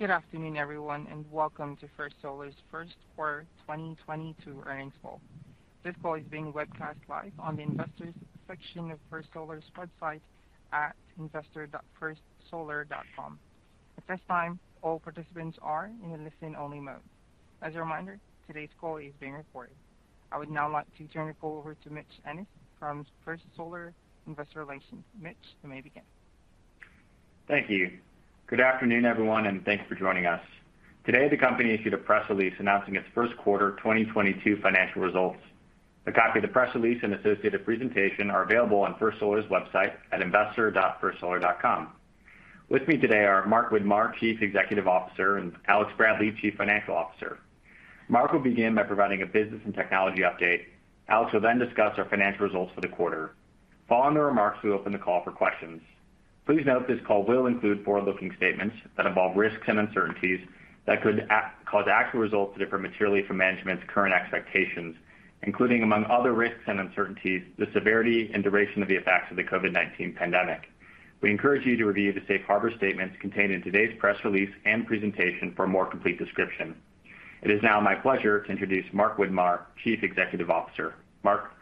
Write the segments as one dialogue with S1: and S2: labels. S1: Good afternoon, everyone, and welcome to First Solar's first quarter 2022 Earnings Call. This call is being webcast live on the Investors section of First Solar's website at investor.firstsolar.com. At this time, all participants are in a listen-only mode. As a reminder, today's call is being recorded. I would now like to turn the call over to Mitch Ennis from First Solar Investor Relations. Mitch, you may begin.
S2: Thank you. Good afternoon, everyone, and thanks for joining us. Today, the company issued a press release announcing its first quarter 2022 financial results. A copy of the press release and associated presentation are available on First Solar's website at investor.firstsolar.com. With me today are Mark Widmar, Chief Executive Officer, and Alex Bradley, Chief Financial Officer. Mark will begin by providing a business and technology update. Alex will then discuss our financial results for the quarter. Following the remarks, we open the call for questions. Please note this call will include forward-looking statements that involve risks and uncertainties that could cause actual results to differ materially from management's current expectations, including among other risks and uncertainties, the severity and duration of the effects of the COVID-19 pandemic. We encourage you to review the safe harbor statements contained in today's press release and presentation for a more complete description. It is now my pleasure to introduce Mark Widmar, Chief Executive Officer. Mark.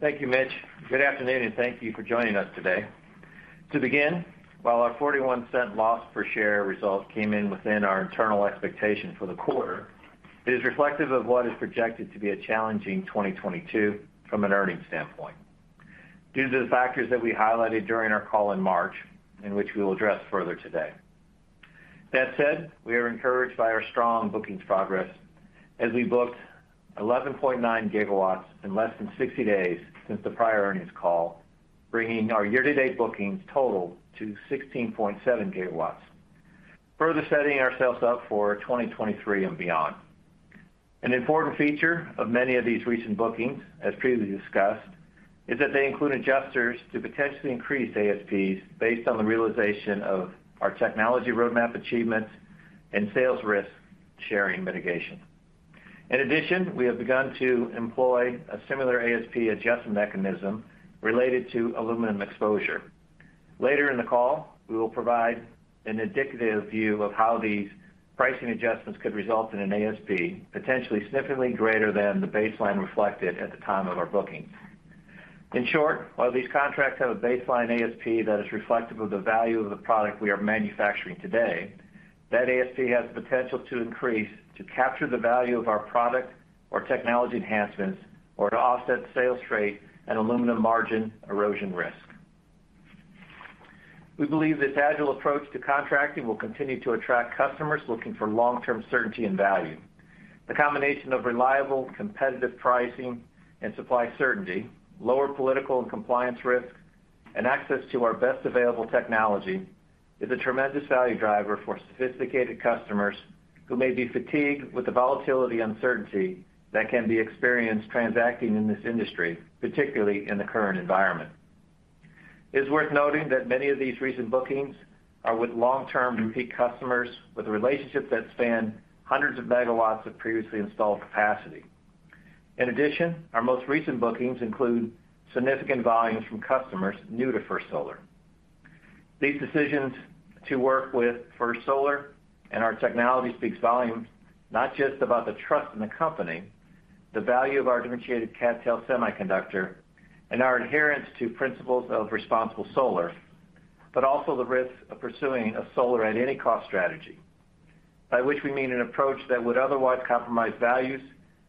S3: Thank you, Mitch. Good afternoon, and thank you for joining us today. To begin, while our $0.41 loss per share results came in within our internal expectation for the quarter, it is reflective of what is projected to be a challenging 2022 from an earnings standpoint due to the factors that we highlighted during our call in March, in which we will address further today. That said, we are encouraged by our strong bookings progress as we booked 11.9 GW in less than 60 days since the prior earnings call, bringing our year-to-date bookings total to 16.7 GW, further setting ourselves up for 2023 and beyond. An important feature of many of these recent bookings, as previously discussed, is that they include adjusters to potentially increase ASPs based on the realization of our technology roadmap achievements and sales risk-sharing mitigation. In addition, we have begun to employ a similar ASP adjustment mechanism related to aluminum exposure. Later in the call, we will provide an indicative view of how these pricing adjustments could result in an ASP potentially significantly greater than the baseline reflected at the time of our bookings. In short, while these contracts have a baseline ASP that is reflective of the value of the product we are manufacturing today, that ASP has the potential to increase to capture the value of our product or technology enhancements or to offset sales rate and aluminum margin erosion risk. We believe this agile approach to contracting will continue to attract customers looking for long-term certainty and value. The combination of reliable, competitive pricing and supply certainty, lower political and compliance risk, and access to our best available technology is a tremendous value driver for sophisticated customers who may be fatigued with the volatility uncertainty that can be experienced transacting in this industry, particularly in the current environment. It is worth noting that many of these recent bookings are with long-term repeat customers with relationships that span hundreds of megawatts of previously installed capacity. In addition, our most recent bookings include significant volumes from customers new to First Solar. These decisions to work with First Solar and our technology speak volumes, not just about the trust in the company, the value of our differentiated CadTel semiconductor, and our adherence to principles of responsible solar, but also the risk of pursuing a solar at any cost strategy, by which we mean an approach that would otherwise compromise values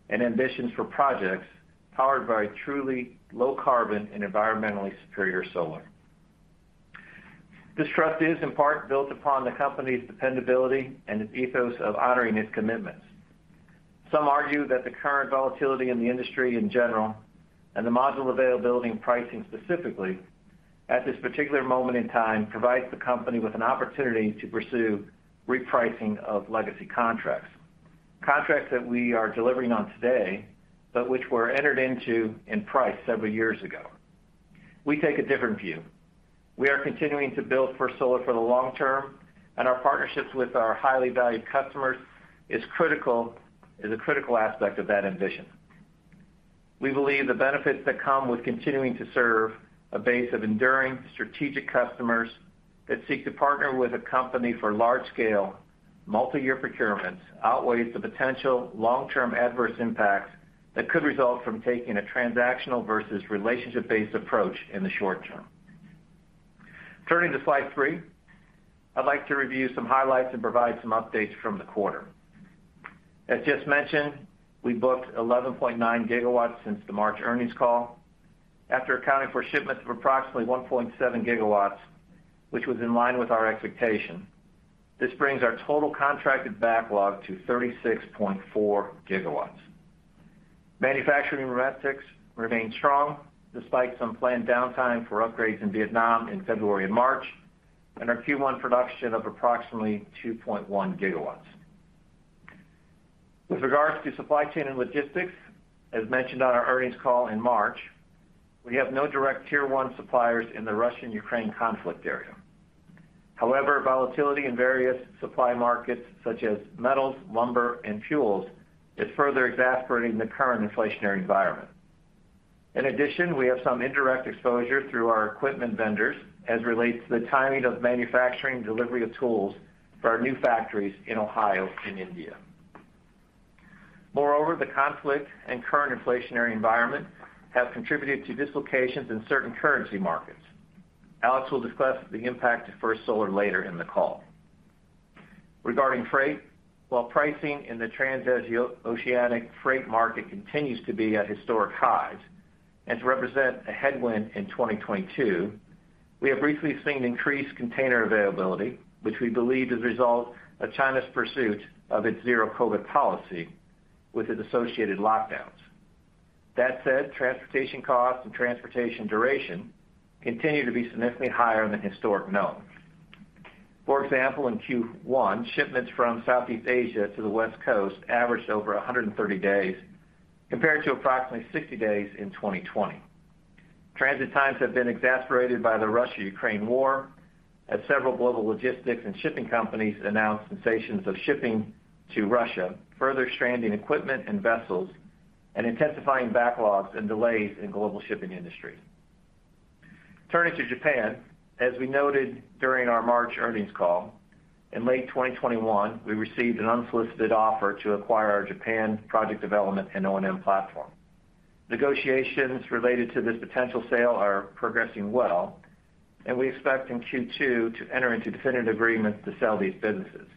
S3: and ambitions for projects powered by truly low carbon and environmentally superior solar. This trust is in part built upon the company's dependability and its ethos of honoring its commitments. Some argue that the current volatility in the industry in general, and the module availability and pricing specifically at this particular moment in time, provides the company with an opportunity to pursue repricing of legacy contracts that we are delivering on today, but which were entered into at prices several years ago. We take a different view. We are continuing to build First Solar for the long-term, and our partnerships with our highly valued customers is a critical aspect of that ambition. We believe the benefits that come with continuing to serve a base of enduring strategic customers that seek to partner with a company for large scale, multi-year procurements outweighs the potential long-term adverse impacts that could result from taking a transactional versus relationship-based approach in the short-term. Turning to slide three, I'd like to review some highlights and provide some updates from the quarter. As just mentioned, we booked 11.9 GW since the March earnings call. After accounting for shipments of approximately 1.7 GW, which was in line with our expectation, this brings our total contracted backlog to 36.4 GW. Manufacturing metrics remain strong despite some planned downtime for upgrades in Vietnam in February and March and our Q1 production of approximately 2.1 GW. With regards to supply chain and logistics, as mentioned on our earnings call in March, we have no direct tier one suppliers in the Russia-Ukraine conflict area. However, volatility in various supply markets such as metals, lumber, and fuels is further exacerbating the current inflationary environment. In addition, we have some indirect exposure through our equipment vendors as it relates to the timing of manufacturing delivery of tools for our new factories in Ohio and India. Moreover, the conflict and current inflationary environment have contributed to dislocations in certain currency markets. Alex will discuss the impact on First Solar later in the call. Regarding freight, while pricing in the trans-oceanic freight market continues to be at historic highs and to represent a headwind in 2022, we have recently seen increased container availability, which we believe is a result of China's pursuit of its zero COVID policy with its associated lockdowns. That said, transportation costs and transportation duration continue to be significantly higher than historic norms. For example, in Q1, shipments from Southeast Asia to the West Coast averaged over 130 days compared to approximately 60 days in 2020. Transit times have been exacerbated by the Russia-Ukraine war, as several global logistics and shipping companies announced cessations of shipping to Russia, further stranding equipment and vessels and intensifying backlogs and delays in global shipping industries. Turning to Japan, as we noted during our March earnings call, in late 2021, we received an unsolicited offer to acquire our Japan project development and O&M platform. Negotiations related to this potential sale are progressing well, and we expect in Q2 to enter into definitive agreements to sell these businesses,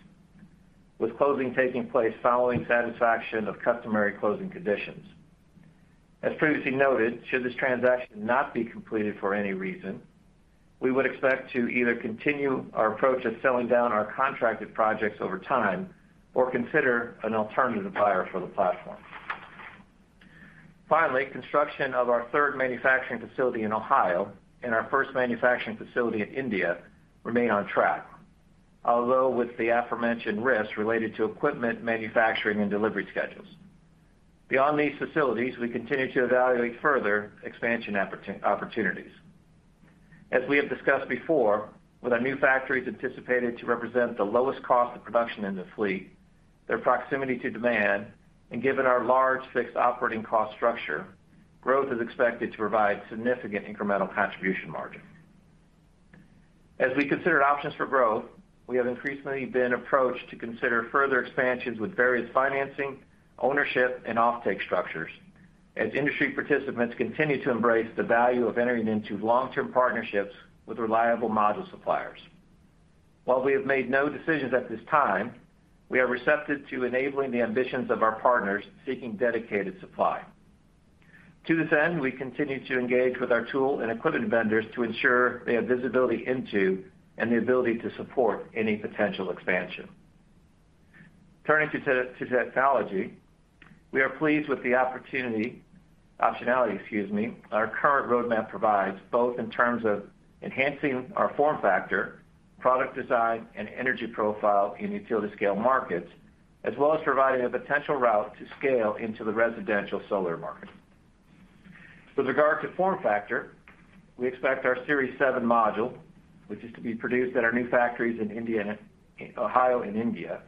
S3: with closing taking place following satisfaction of customary closing conditions. As previously noted, should this transaction not be completed for any reason, we would expect to either continue our approach of selling down our contracted projects over time or consider an alternative buyer for the platform. Finally, construction of our third manufacturing facility in Ohio and our first manufacturing facility in India remain on track, although with the aforementioned risks related to equipment manufacturing and delivery schedules. Beyond these facilities, we continue to evaluate further expansion opportunities. As we have discussed before, with our new factories anticipated to represent the lowest cost of production in the fleet, their proximity to demand and given our large fixed operating cost structure, growth is expected to provide significant incremental contribution margin. As we consider options for growth, we have increasingly been approached to consider further expansions with various financing, ownership, and offtake structures as industry participants continue to embrace the value of entering into long-term partnerships with reliable module suppliers. While we have made no decisions at this time, we are receptive to enabling the ambitions of our partners seeking dedicated supply. To this end, we continue to engage with our tool and equipment vendors to ensure they have visibility into and the ability to support any potential expansion. Turning to technology, we are pleased with the optionality, excuse me, our current roadmap provides, both in terms of enhancing our form factor, product design, and energy profile in utility scale markets, as well as providing a potential route to scale into the residential solar market. With regard to form factor, we expect our Series 7 module, which is to be produced at our new factories in Ohio and India,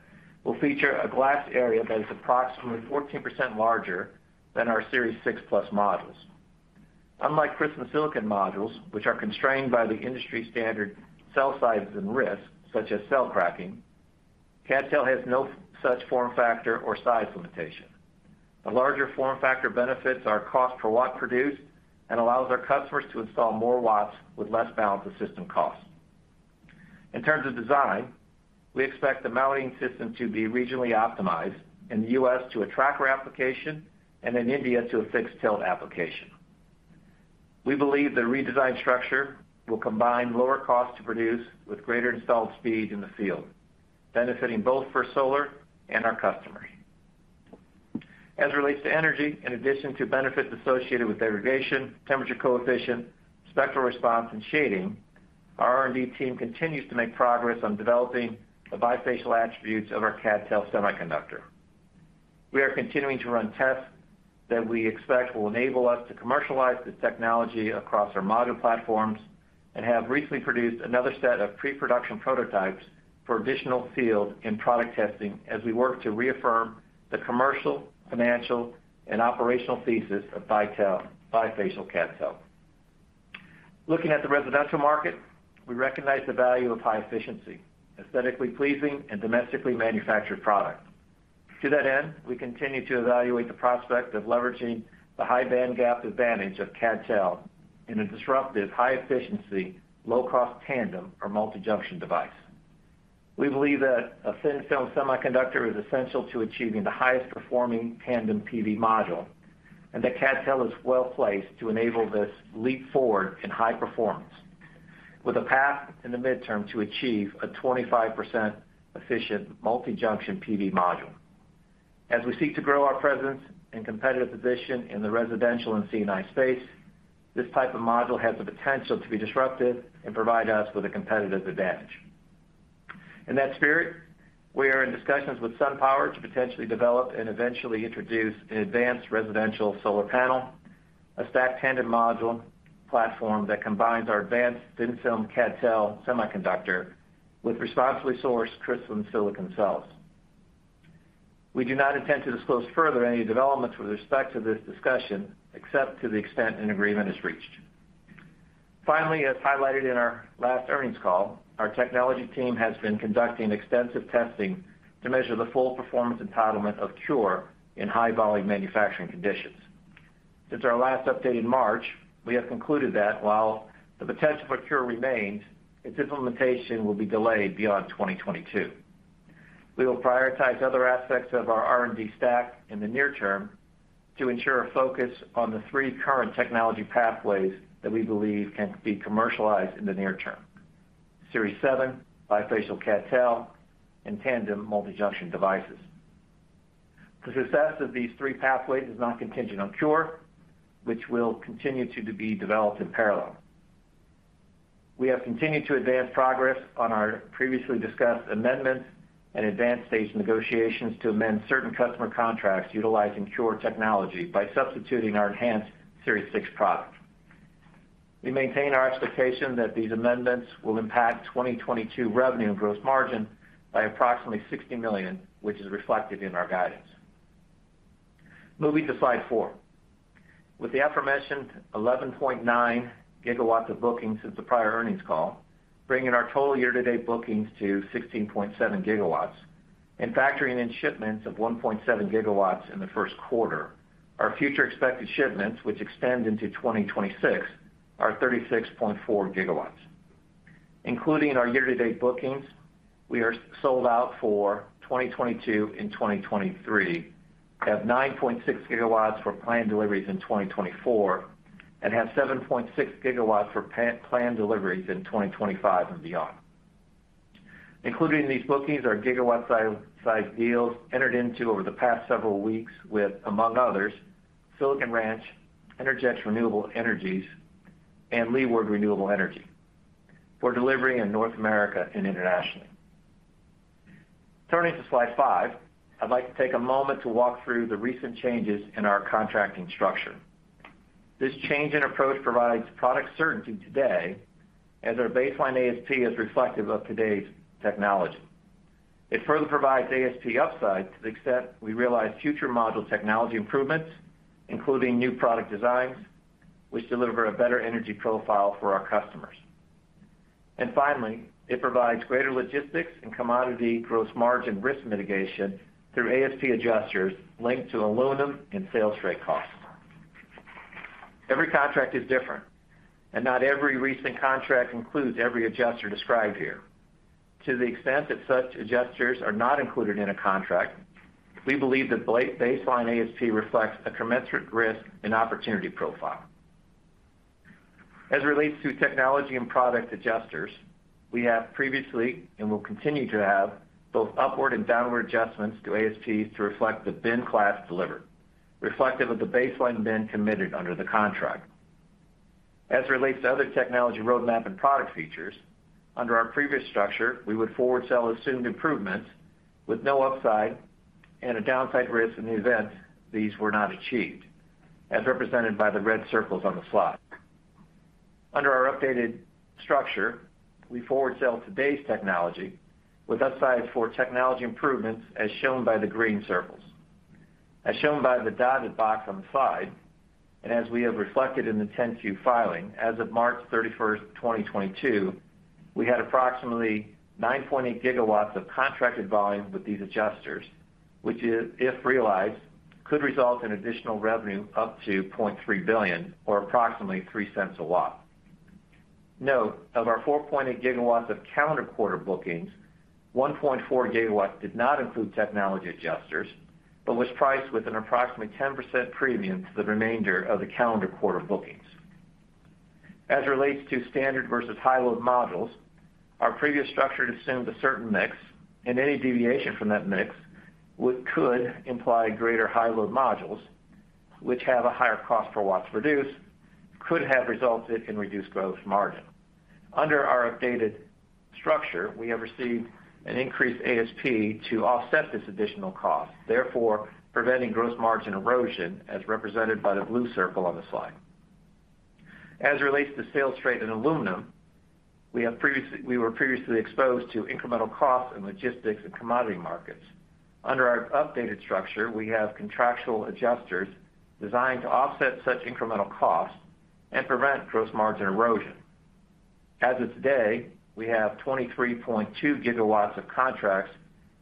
S3: will feature a glass area that is approximately 14% larger than our Series 6 Plus modules. Unlike crystalline silicon modules, which are constrained by the industry standard cell sizes and risks, such as cell cracking, CadTel has no such form factor or size limitation. A larger form factor benefits our cost per watt produced and allows our customers to install more watts with less balance of system costs. In terms of design, we expect the mounting system to be regionally optimized in the U.S. to a tracker application and in India to a fixed tilt application. We believe the redesigned structure will combine lower cost to produce with greater installed speed in the field, benefiting both First Solar and our customers. As it relates to energy, in addition to benefits associated with irradiance, temperature coefficient, spectral response, and shading, our R&D team continues to make progress on developing the bifacial attributes of our CadTel semiconductor. We are continuing to run tests that we expect will enable us to commercialize this technology across our module platforms and have recently produced another set of pre-production prototypes for additional field and product testing as we work to reaffirm the commercial, financial, and operational thesis of bifacial CadTel. Looking at the residential market, we recognize the value of high efficiency, aesthetically pleasing, and domestically manufactured products. To that end, we continue to evaluate the prospect of leveraging the high bandgap advantage of CadTel in a disruptive, high efficiency, low-cost tandem or multi-junction device. We believe that a thin-film semiconductor is essential to achieving the highest performing tandem PV module, and that CadTel is well placed to enable this leap forward in high performance with a path in the midterm to achieve a 25% efficient multi-junction PV module. As we seek to grow our presence and competitive position in the residential and C&I space, this type of module has the potential to be disruptive and provide us with a competitive advantage. In that spirit, we are in discussions with SunPower to potentially develop and eventually introduce an advanced residential solar panel, a stacked tandem module platform that combines our advanced thin-film CadTel semiconductor with responsibly sourced crystalline silicon cells. We do not intend to disclose further any developments with respect to this discussion, except to the extent an agreement is reached. Finally, as highlighted in our last earnings call, our technology team has been conducting extensive testing to measure the full performance entitlement of CuRe in high-volume manufacturing conditions. Since our last update in March, we have concluded that while the potential for CuRe remains, its implementation will be delayed beyond 2022. We will prioritize other aspects of our R&D stack in the near-term to ensure a focus on the three current technology pathways that we believe can be commercialized in the near-term: Series 7, bifacial CadTel, and tandem multi-junction devices. The success of these three pathways is not contingent on CuRe, which will continue to be developed in parallel. We have continued to advance progress on our previously discussed amendments and advanced stage negotiations to amend certain customer contracts utilizing CuRe technology by substituting our enhanced Series 6 product. We maintain our expectation that these amendments will impact 2022 revenue and gross margin by approximately $60 million, which is reflected in our guidance. Moving to slide four. With the aforementioned 11.9 GW of bookings since the prior earnings call, bringing our total year-to-date bookings to 16.7 GW and factoring in shipments of 1.7 GW in the first quarter, our future expected shipments, which extend into 2026, are 36.4 GW. Including our year-to-date bookings, we are sold out for 2022 and 2023, have 9.6 GW for planned deliveries in 2024, and have 7.6 GW for planned deliveries in 2025 and beyond. Included in these bookings are gigawatt-sized deals entered into over the past several weeks with, among others, Silicon Ranch, Energix Renewable Energies, and Leeward Renewable Energy for delivery in North America and internationally. Turning to slide five, I'd like to take a moment to walk through the recent changes in our contracting structure. This change in approach provides product certainty today as our baseline ASP is reflective of today's technology. It further provides ASP upside to the extent we realize future module technology improvements, including new product designs, which deliver a better energy profile for our customers. Finally, it provides greater logistics and commodity gross margin risk mitigation through ASP adjusters linked to aluminum and sales freight costs. Every contract is different, and not every recent contract includes every adjuster described here. To the extent that such adjusters are not included in a contract, we believe that baseline ASP reflects a commensurate risk and opportunity profile. As it relates to technology and product adjusters, we have previously and will continue to have both upward and downward adjustments to ASPs to reflect the bin class delivered, reflective of the baseline bin committed under the contract. As it relates to other technology roadmap and product features, under our previous structure, we would forward sell assumed improvements with no upside and a downside risk in the event these were not achieved, as represented by the red circles on the slide. Under our updated structure, we forward sell today's technology with upside for technology improvements, as shown by the green circles. As shown by the dotted box on the slide, and as we have reflected in the 10-Q filing, as of March 31, 2022, we had approximately 9.8 GW of contracted volume with these adjusters, which is, if realized, could result in additional revenue up to $0.3 billion or approximately $0.03/W. Note, of our 4.8 GW of calendar quarter bookings, 1.4 GW did not include technology adjusters, but was priced with an approximately 10% premium to the remainder of the calendar quarter bookings. As it relates to standard versus high-load modules, our previous structure assumed a certain mix, and any deviation from that mix could imply greater high-load modules, which have a higher cost per watt produced, could have resulted in reduced gross margin. Under our updated structure, we have received an increased ASP to offset this additional cost, therefore preventing gross margin erosion, as represented by the blue circle on the slide. As it relates to sales freight and aluminum, we were previously exposed to incremental costs in logistics and commodity markets. Under our updated structure, we have contractual adjusters designed to offset such incremental costs and prevent gross margin erosion. As of today, we have 23.2 GW of contracts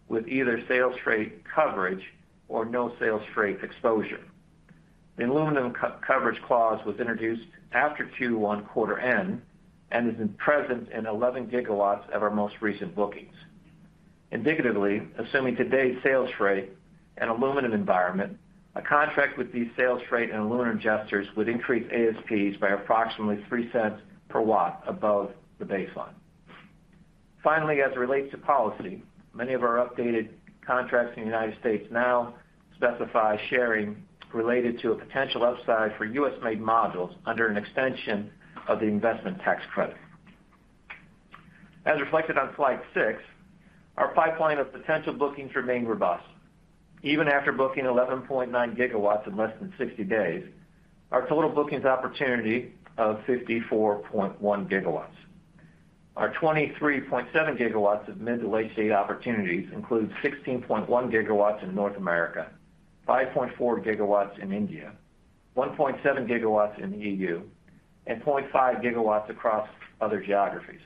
S3: with either sales rate coverage or no sales rate exposure. The aluminum coverage clause was introduced after Q1 quarter end and is present in 11 GW of our most recent bookings. Indicatively, assuming today's sales rate and aluminum environment, a contract with these sales rate and aluminum adjusters would increase ASPs by approximately $0.03 per watt above the baseline. Finally, as it relates to policy, many of our updated contracts in the United States now specify sharing related to a potential upside for U.S.-made modules under an extension of the investment tax credit. As reflected on slide six, our pipeline of potential bookings remain robust. Even after booking 11.9 GW in less than 60 days, our total bookings opportunity of 54.1 GW. Our 23.7 GW of mid- to late-stage opportunities include 16.1 GW in North America, 5.4 GW in India, 1.7 GW in the EU, and 0.5 GW across other geographies.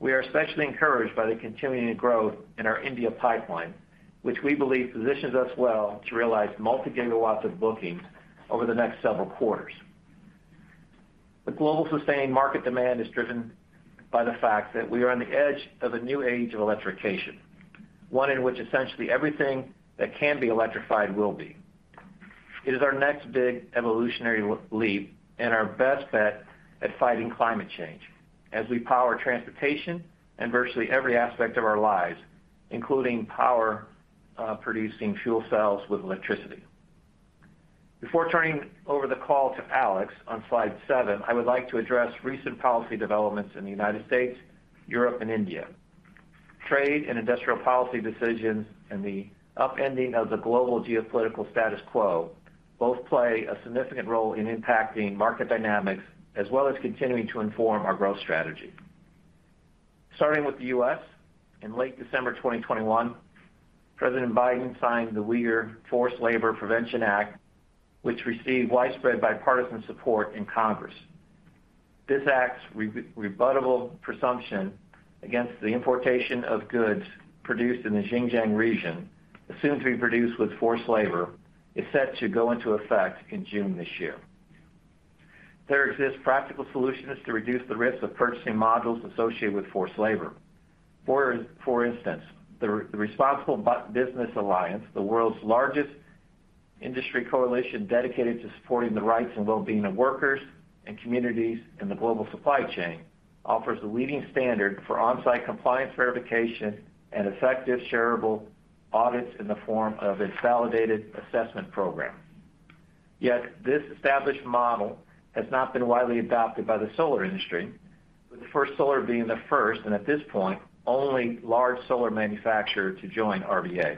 S3: We are especially encouraged by the continuing growth in our India pipeline, which we believe positions us well to realize multi-gigawatts of bookings over the next several quarters. The global sustained market demand is driven by the fact that we are on the edge of a new age of electrification, one in which essentially everything that can be electrified will be. It is our next big evolutionary leap and our best bet at fighting climate change as we power transportation and virtually every aspect of our lives, including power producing fuel cells with electricity. Before turning over the call to Alex on slide seven, I would like to address recent policy developments in the United States, Europe, and India. Trade and industrial policy decisions and the upending of the global geopolitical status quo both play a significant role in impacting market dynamics as well as continuing to inform our growth strategy. Starting with the U.S., in late December 2021, President Biden signed the Uyghur Forced Labor Prevention Act, which received widespread bipartisan support in Congress. This act's rebuttable presumption against the importation of goods produced in the Xinjiang region, assumed to be produced with forced labor, is set to go into effect in June this year. There exists practical solutions to reduce the risk of purchasing modules associated with forced labor. For instance, the Responsible Business Alliance, the world's largest industry coalition dedicated to supporting the rights and well-being of workers and communities in the global supply chain, offers the leading standard for on-site compliance verification and effective shareable audits in the form of a validated assessment program. Yet this established model has not been widely adopted by the solar industry, with First Solar being the first, and at this point, only large solar manufacturer to join RBA.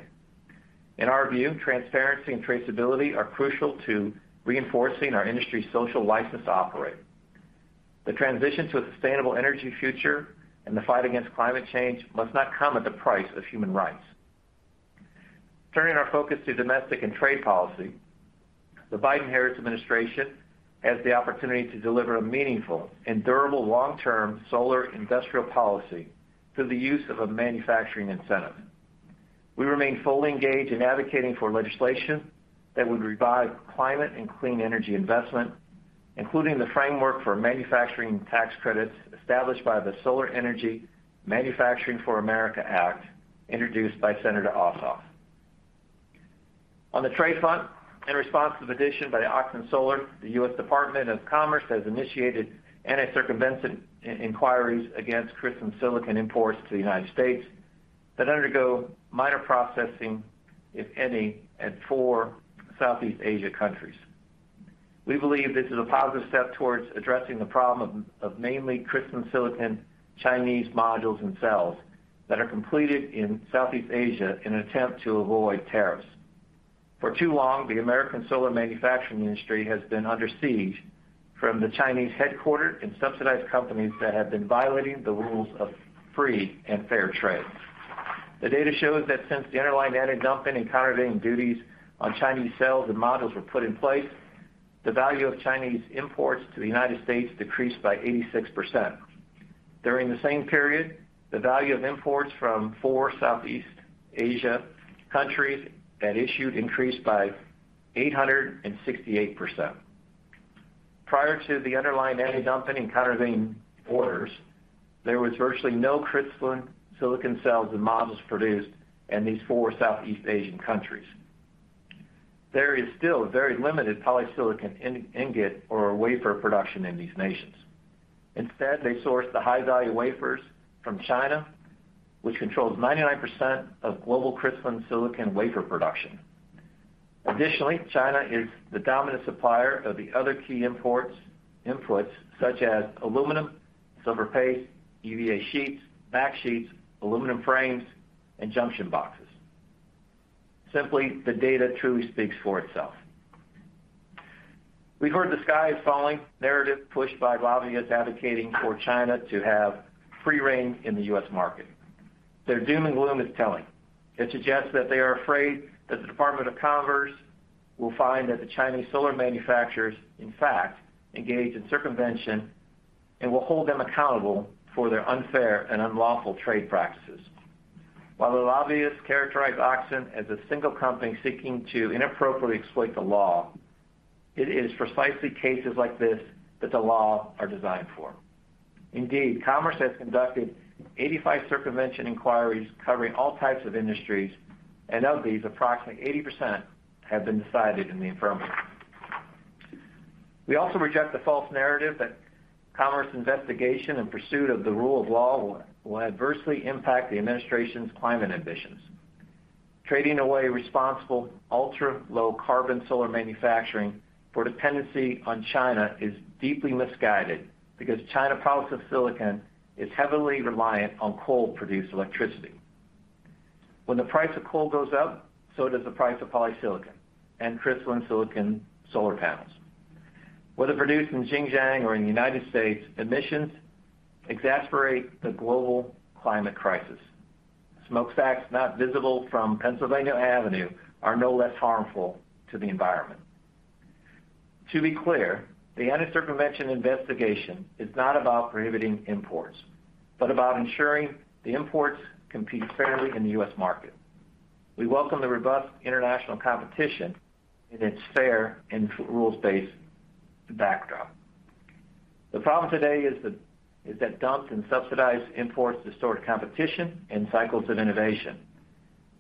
S3: In our view, transparency and traceability are crucial to reinforcing our industry's social license to operate. The transition to a sustainable energy future and the fight against climate change must not come at the price of human rights. Turning our focus to domestic and trade policy, the Biden-Harris administration has the opportunity to deliver a meaningful and durable long-term solar industrial policy through the use of a manufacturing incentive. We remain fully engaged in advocating for legislation that would revive climate and clean energy investment, including the framework for manufacturing tax credits established by the Solar Energy Manufacturing for America Act, introduced by Senator Ossoff. On the trade front, in response to the petition by Auxin Solar, the U.S. Department of Commerce has initiated anti-circumvention inquiries against crystalline silicon imports to the United States that undergo minor processing, if any, in four Southeast Asia countries. We believe this is a positive step towards addressing the problem of mainly crystalline silicon Chinese modules and cells that are completed in Southeast Asia in an attempt to avoid tariffs. For too long, the American solar manufacturing industry has been under siege from the Chinese headquartered and subsidized companies that have been violating the rules of free and fair trade. The data shows that since the underlying antidumping and countervailing duties on Chinese cells and modules were put in place, the value of Chinese imports to the United States decreased by 86%. During the same period, the value of imports from four Southeast Asian countries increased by 868%. Prior to the underlying antidumping and countervailing orders, there was virtually no crystalline silicon cells and modules produced in these four Southeast Asian countries. There is still very limited polysilicon in-ingot or wafer production in these nations. Instead, they source the high-value wafers from China, which controls 99% of global crystalline silicon wafer production. Additionally, China is the dominant supplier of the other key imports, inputs such as aluminum, silver paste, EVA sheets, backsheets, aluminum frames, and junction boxes. Simply, the data truly speaks for itself. We've heard the sky is falling narrative pushed by lobbyists advocating for China to have free rein in the U.S. market. Their doom and gloom is telling. It suggests that they are afraid that the Department of Commerce will find that the Chinese solar manufacturers, in fact, engage in circumvention and will hold them accountable for their unfair and unlawful trade practices. While the lobbyists characterize Auxin as a single company seeking to inappropriately exploit the law, it is precisely cases like this that the law are designed for. Indeed, Commerce has conducted 85 circumvention inquiries covering all types of industries, and of these, approximately 80% have been decided in the affirmative. We also reject the false narrative that Commerce investigation in pursuit of the rule of law will adversely impact the administration's climate ambitions. Trading away responsible ultra-low carbon solar manufacturing for dependency on China is deeply misguided because China polysilicon is heavily reliant on coal-produced electricity. When the price of coal goes up, so does the price of polysilicon and crystalline silicon solar panels. Whether produced in Xinjiang or in the United States, emissions exacerbate the global climate crisis. Smokestacks not visible from Pennsylvania Avenue are no less harmful to the environment. To be clear, the anti-circumvention investigation is not about prohibiting imports, but about ensuring the imports compete fairly in the U.S. market. We welcome the robust international competition in its fair and rules-based backdrop. The problem today is that dumped and subsidized imports distort competition and cycles of innovation,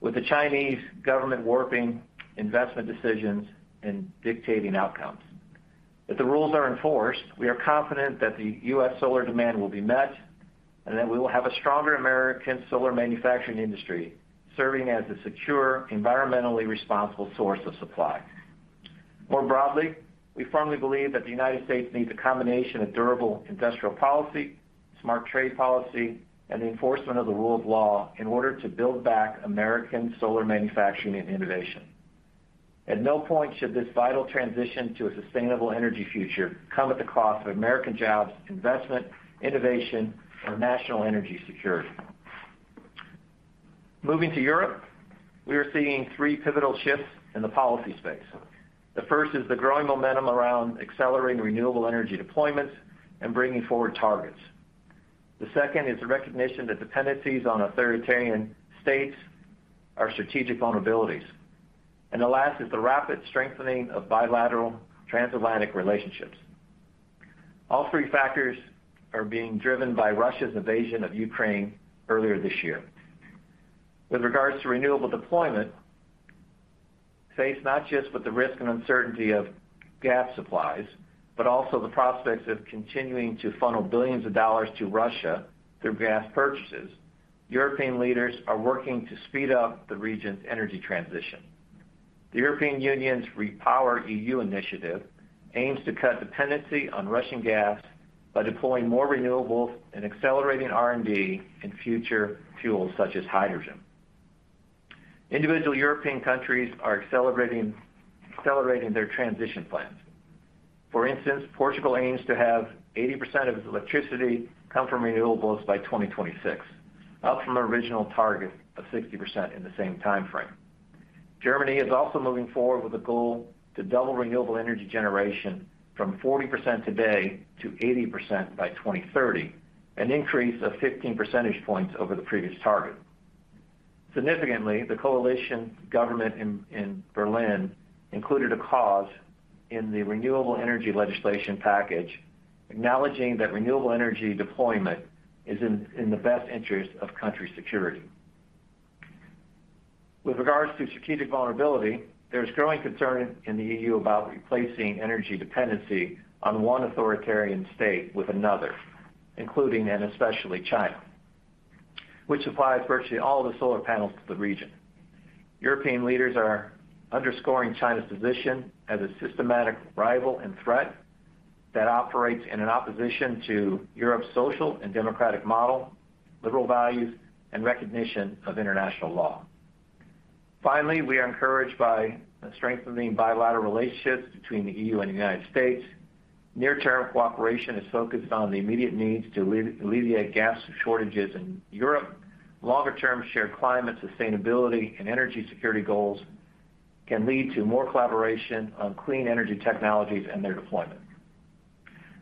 S3: with the Chinese government warping investment decisions and dictating outcomes. If the rules are enforced, we are confident that the U.S. solar demand will be met and that we will have a stronger American solar manufacturing industry, serving as a secure, environmentally responsible source of supply. More broadly, we firmly believe that the United States needs a combination of durable industrial policy, smart trade policy, and enforcement of the rule of law in order to build back American solar manufacturing and innovation. At no point should this vital transition to a sustainable energy future come at the cost of American jobs, investment, innovation, or national energy security. Moving to Europe, we are seeing three pivotal shifts in the policy space. The first is the growing momentum around accelerating renewable energy deployments and bringing forward targets. The second is the recognition that dependencies on authoritarian states are strategic vulnerabilities. The last is the rapid strengthening of bilateral transatlantic relationships. All three factors are being driven by Russia's invasion of Ukraine earlier this year. With regards to renewable deployment, faced not just with the risk and uncertainty of gas supplies, but also the prospects of continuing to funnel billions of dollars to Russia through gas purchases, European leaders are working to speed up the region's energy transition. The European Union's REPowerEU initiative aims to cut dependency on Russian gas by deploying more renewables and accelerating R&D in future fuels such as hydrogen. Individual European countries are accelerating their transition plans. For instance, Portugal aims to have 80% of its electricity come from renewables by 2026, up from an original target of 60% in the same time frame. Germany is also moving forward with a goal to double renewable energy generation from 40% today to 80% by 2030, an increase of 15 percentage points over the previous target. Significantly, the coalition government in Berlin included a clause in the renewable energy legislation package, acknowledging that renewable energy deployment is in the best interest of country security. With regards to strategic vulnerability, there is growing concern in the EU about replacing energy dependency on one authoritarian state with another, including and especially China, which supplies virtually all of the solar panels to the region. European leaders are underscoring China's position as a systemic rival and threat that operates in opposition to Europe's social and democratic model, liberal values, and recognition of international law. Finally, we are encouraged by the strengthening bilateral relationships between the EU and the United States. Near-term cooperation is focused on the immediate needs to alleviate gas shortages in Europe. Longer-term shared climate, sustainability, and energy security goals can lead to more collaboration on clean energy technologies and their deployment.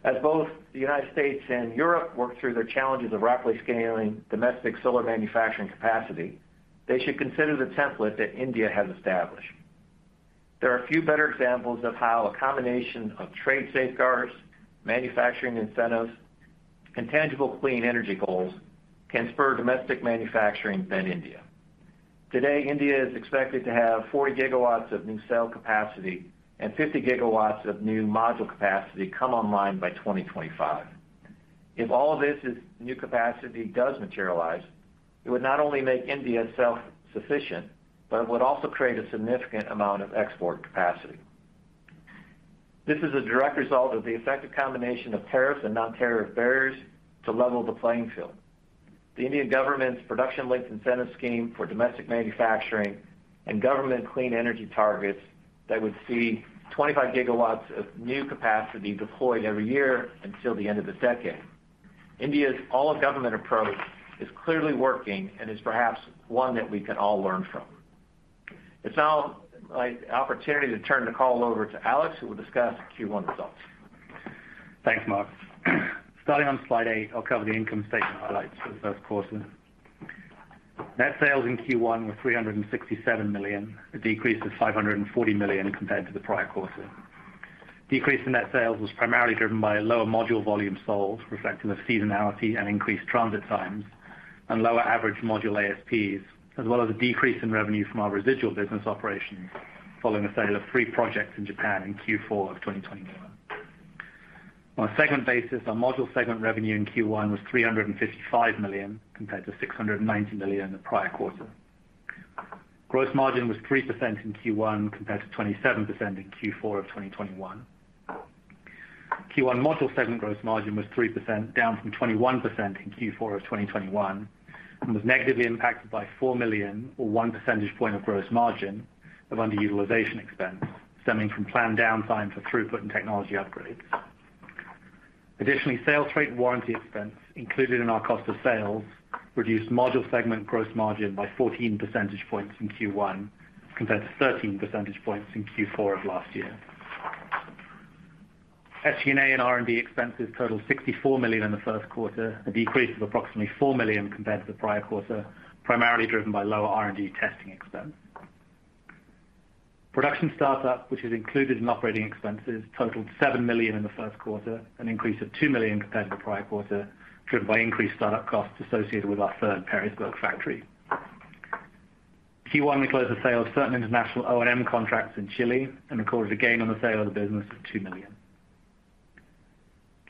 S3: As both the United States and Europe work through their challenges of rapidly scaling domestic solar manufacturing capacity, they should consider the template that India has established. There are a few better examples of how a combination of trade safeguards, manufacturing incentives, and tangible clean energy goals can spur domestic manufacturing than India. Today, India is expected to have 40 GW of new cell capacity and 50 GW of new module capacity come online by 2025. If all of this new capacity does materialize, it would not only make India self-sufficient, but it would also create a significant amount of export capacity. This is a direct result of the effective combination of tariffs and non-tariff barriers to level the playing field. The Indian government's Production-Linked Incentive scheme for domestic manufacturing and government clean energy targets that would see 25 GW of new capacity deployed every year until the end of the decade. India's all-of-government approach is clearly working and is perhaps one that we can all learn from. It's now my opportunity to turn the call over to Alex Bradley, who will discuss Q1 results.
S4: Thanks, Mark. Starting on slide eight, I'll cover the income statement highlights for the first quarter. Net sales in Q1 were $367 million, a decrease of $540 million compared to the prior quarter. Decrease in net sales was primarily driven by lower module volume sold, reflecting the seasonality and increased transit times, and lower average module ASPs, as well as a decrease in revenue from our residual business operations following the sale of three projects in Japan in Q4 of 2021. On a segment basis, our module segment revenue in Q1 was $355 million, compared to $690 million the prior quarter. Gross margin was 3% in Q1, compared to 27% in Q4 of 2021. Q1 module segment gross margin was 3%, down from 21% in Q4 of 2021, and was negatively impacted by $4 million or 1 percentage point of gross margin of underutilization expense stemming from planned downtime for throughput and technology upgrades. Additionally, sales rate warranty expense included in our cost of sales reduced module segment gross margin by 14 percentage points in Q1 compared to 13 percentage points in Q4 of last year. SG&A and R&D expenses totaled $64 million in the first quarter, a decrease of approximately $4 million compared to the prior quarter, primarily driven by lower R&D testing expense. Production startup, which is included in operating expenses, totaled $7 million in the first quarter, an increase of $2 million compared to the prior quarter, driven by increased startup costs associated with our third Perrysburg factory. Q1, we closed the sale of certain international O&M contracts in Chile and recorded a gain on the sale of the business of $2 million.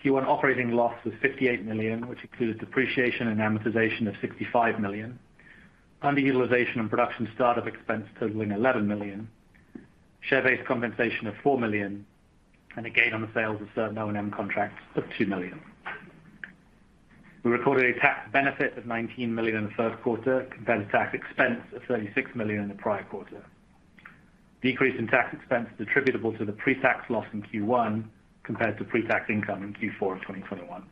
S4: Q1 operating loss was $58 million, which includes depreciation and amortization of $65 million, underutilization and production startup expense totaling $11 million, share-based compensation of $4 million, and a gain on the sales of certain O&M contracts of $2 million. We recorded a tax benefit of $19 million in the first quarter compared to tax expense of $36 million in the prior quarter. Decrease in tax expense is attributable to the pre-tax loss in Q1 compared to pre-tax income in Q4 of 2021.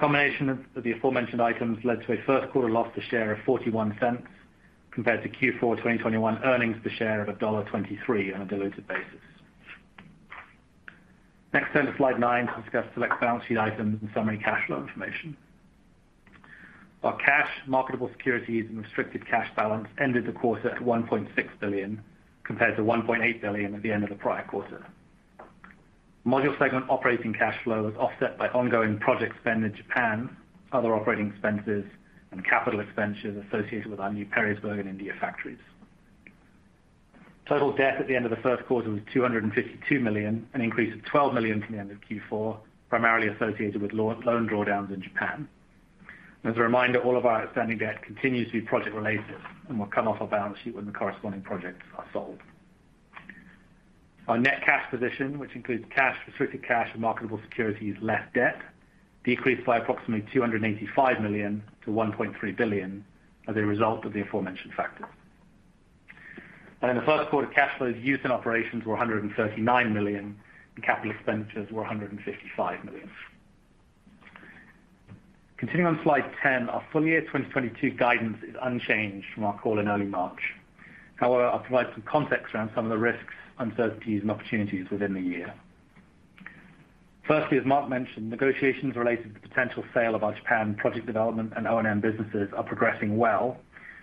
S4: Combination of the aforementioned items led to a first quarter loss per share of $0.41 compared to Q4 of 2021 earnings per share of $1.23 on a diluted basis. Next, turn to slide nine to discuss select balance sheet items and summary cash flow information. Our cash, marketable securities and restricted cash balance ended the quarter at $1.6 billion compared to $1.8 billion at the end of the prior quarter. Module segment operating cash flow was offset by ongoing project spend in Japan, other operating expenses and capital expenditures associated with our new Perrysburg and India factories. Total debt at the end of the first quarter was $252 million, an increase of $12 million from the end of Q4, primarily associated with loan drawdowns in Japan. As a reminder, all of our outstanding debt continues to be project related and will come off our balance sheet when the corresponding projects are sold. Our net cash position, which includes cash, restricted cash, and marketable securities less debt, decreased by approximately $285 million-$1.3 billion as a result of the aforementioned factors. In the first quarter, cash flows used in operations were $139 million, and capital expenditures were $155 million. Continuing on slide 10, our full year 2022 guidance is unchanged from our call in early March. However, I provide some context around some of the risks, uncertainties and opportunities within the year. Firstly, as Mark mentioned, negotiations related to the potential sale of our Japan project development and O&M businesses are progressing well.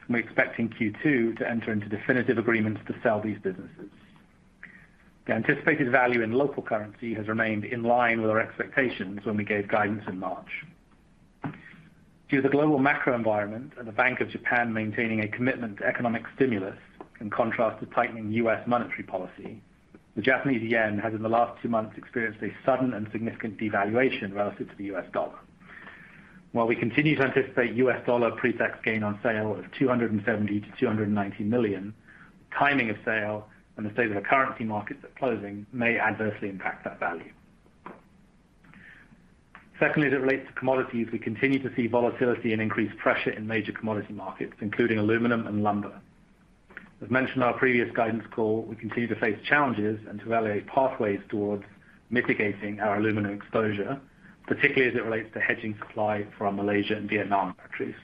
S4: We're expecting Q2 to enter into definitive agreements to sell these businesses. The anticipated value in local currency has remained in line with our expectations when we gave guidance in March. Due to the global macro environment and the Bank of Japan maintaining a commitment to economic stimulus, in contrast to tightening U.S. monetary policy, the Japanese yen has in the last two months experienced a sudden and significant devaluation relative to the U.S. dollar. While we continue to anticipate U.S. dollar pre-tax gain on sale of $270 million-$290 million, timing of sale and the state of the currency markets at closing may adversely impact that value. Secondly, as it relates to commodities, we continue to see volatility and increased pressure in major commodity markets, including aluminum and lumber. As mentioned in our previous guidance call, we continue to face challenges and to evaluate pathways towards mitigating our aluminum exposure, particularly as it relates to hedging supply from Malaysia and Vietnam factories.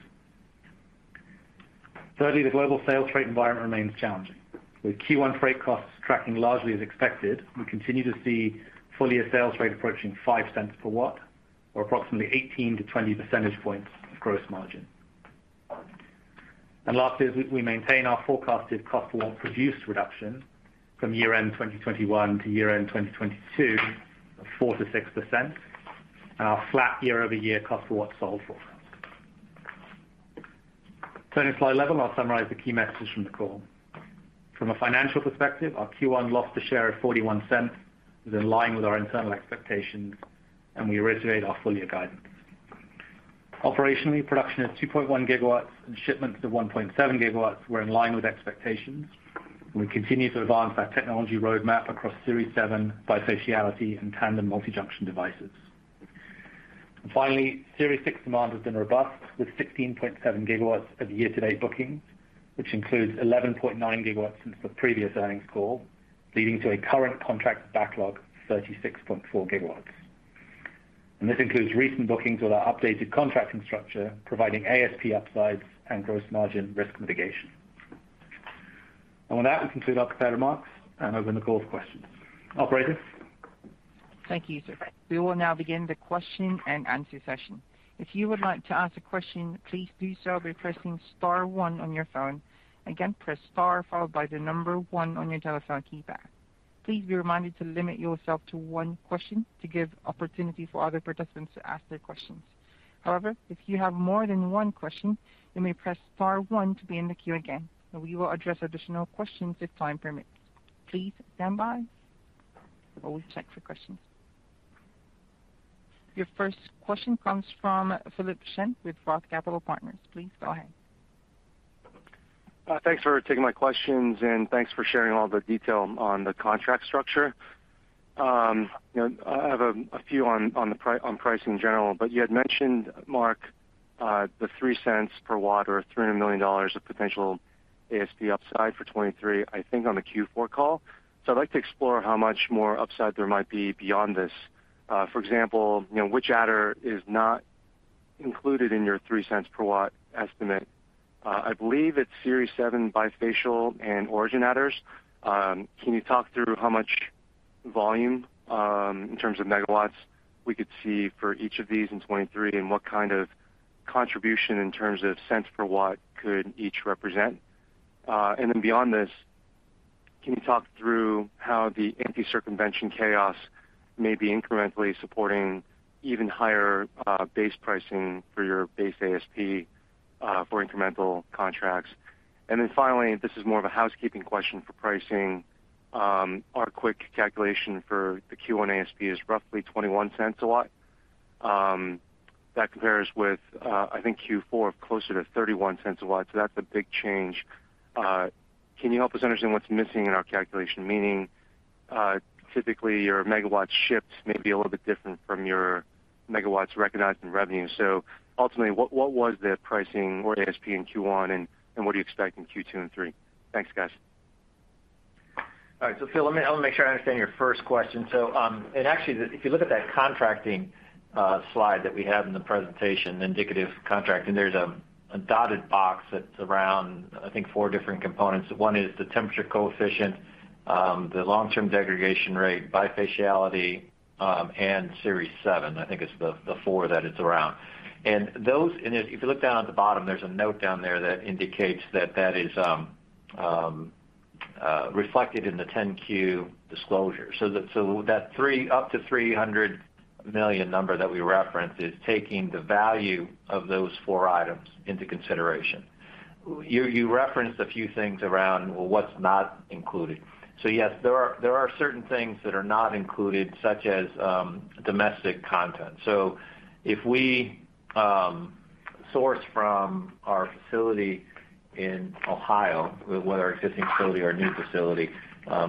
S4: Thirdly, the global scrap rate environment remains challenging. With Q1 freight costs tracking largely as expected, we continue to see full-year scrap rate approaching $0.05 per watt or approximately 18-20 percentage points of gross margin. Lastly, we maintain our forecasted cost per watt produced reduction from year-end 2021 to year-end 2022 of 4%-6% and our flat year-over-year cost per watt sold forecast. Turning to slide 11, I'll summarize the key messages from the call. From a financial perspective, our Q1 loss per share of $0.41 is in line with our internal expectations, and we reiterate our full-year guidance. Operationally, production of 2.1 GW and shipments of 1.7 GW were in line with expectations, and we continue to advance our technology roadmap across Series 7 bifaciality and tandem multi-junction devices. Finally, Series 6 demand has been robust with 16.7 GW of year-to-date bookings, which includes 11.9 GW since the previous earnings call, leading to a current contract backlog of 36.4 GW. This includes recent bookings with our updated contracting structure, providing ASP upsides and gross margin risk mitigation. With that, we conclude our prepared remarks and open the call for questions. Operator?
S1: Thank you, Sir. We will now begin the question-and-answer session. If you would like to ask a question, please do so by pressing star one on your phone. Again, press star followed by the number one on your telephone keypad. Please be reminded to limit yourself to one question to give opportunity for other participants to ask their questions. However, if you have more than one question, you may press star one to be in the queue again, and we will address additional questions if time permits. Please stand by while we check for questions. Your first question comes from Philip Shen with Roth Capital Partners. Please go ahead.
S5: Thanks for taking my questions, and thanks for sharing all the detail on the contract structure. You know, I have a few on pricing in general, but you had mentioned, Mark, the $0.03 per watt or $300 million of potential ASP upside for 2023, I think, on the Q4 call. I'd like to explore how much more upside there might be beyond this. For example, you know, which adder is not included in your $0.03 per watt estimate? I believe it's Series 7 bifacial and origin adders. Can you talk through how much volume, in terms of megawatts we could see for each of these in 2023, and what kind of contribution in terms of cents per watt could each represent? Beyond this, can you talk through how the anti-circumvention chaos may be incrementally supporting even higher base pricing for your base ASP for incremental contracts? Finally, this is more of a housekeeping question for pricing. Our quick calculation for the Q1 ASP is roughly $0.21 a watt. That compares with, I think Q4 of closer to $0.31 a watt, so that's a big change. Can you help us understand what's missing in our calculation? Meaning, typically your megawatts shipped may be a little bit different from your megawatts recognized in revenue. Ultimately, what was the pricing or ASP in Q1, and what do you expect in Q2 and Q3? Thanks, guys.
S3: All right. Philip, let me, I wanna make sure I understand your first question. Actually, if you look at that contracting slide that we have in the presentation, the indicative contracting, there's a dotted box that's around, I think, four different components. One is the temperature coefficient, the long-term degradation rate, bifaciality, and Series 7. I think it's the four that it's around. Those if you look down at the bottom, there's a note down there that indicates that that is reflected in the 10-Q disclosure. That up to $300 million number that we referenced is taking the value of those four items into consideration. You referenced a few things around, well, what's not included. Yes, there are certain things that are not included, such as domestic content. If we source from our facility in Ohio, whether our existing facility or new facility,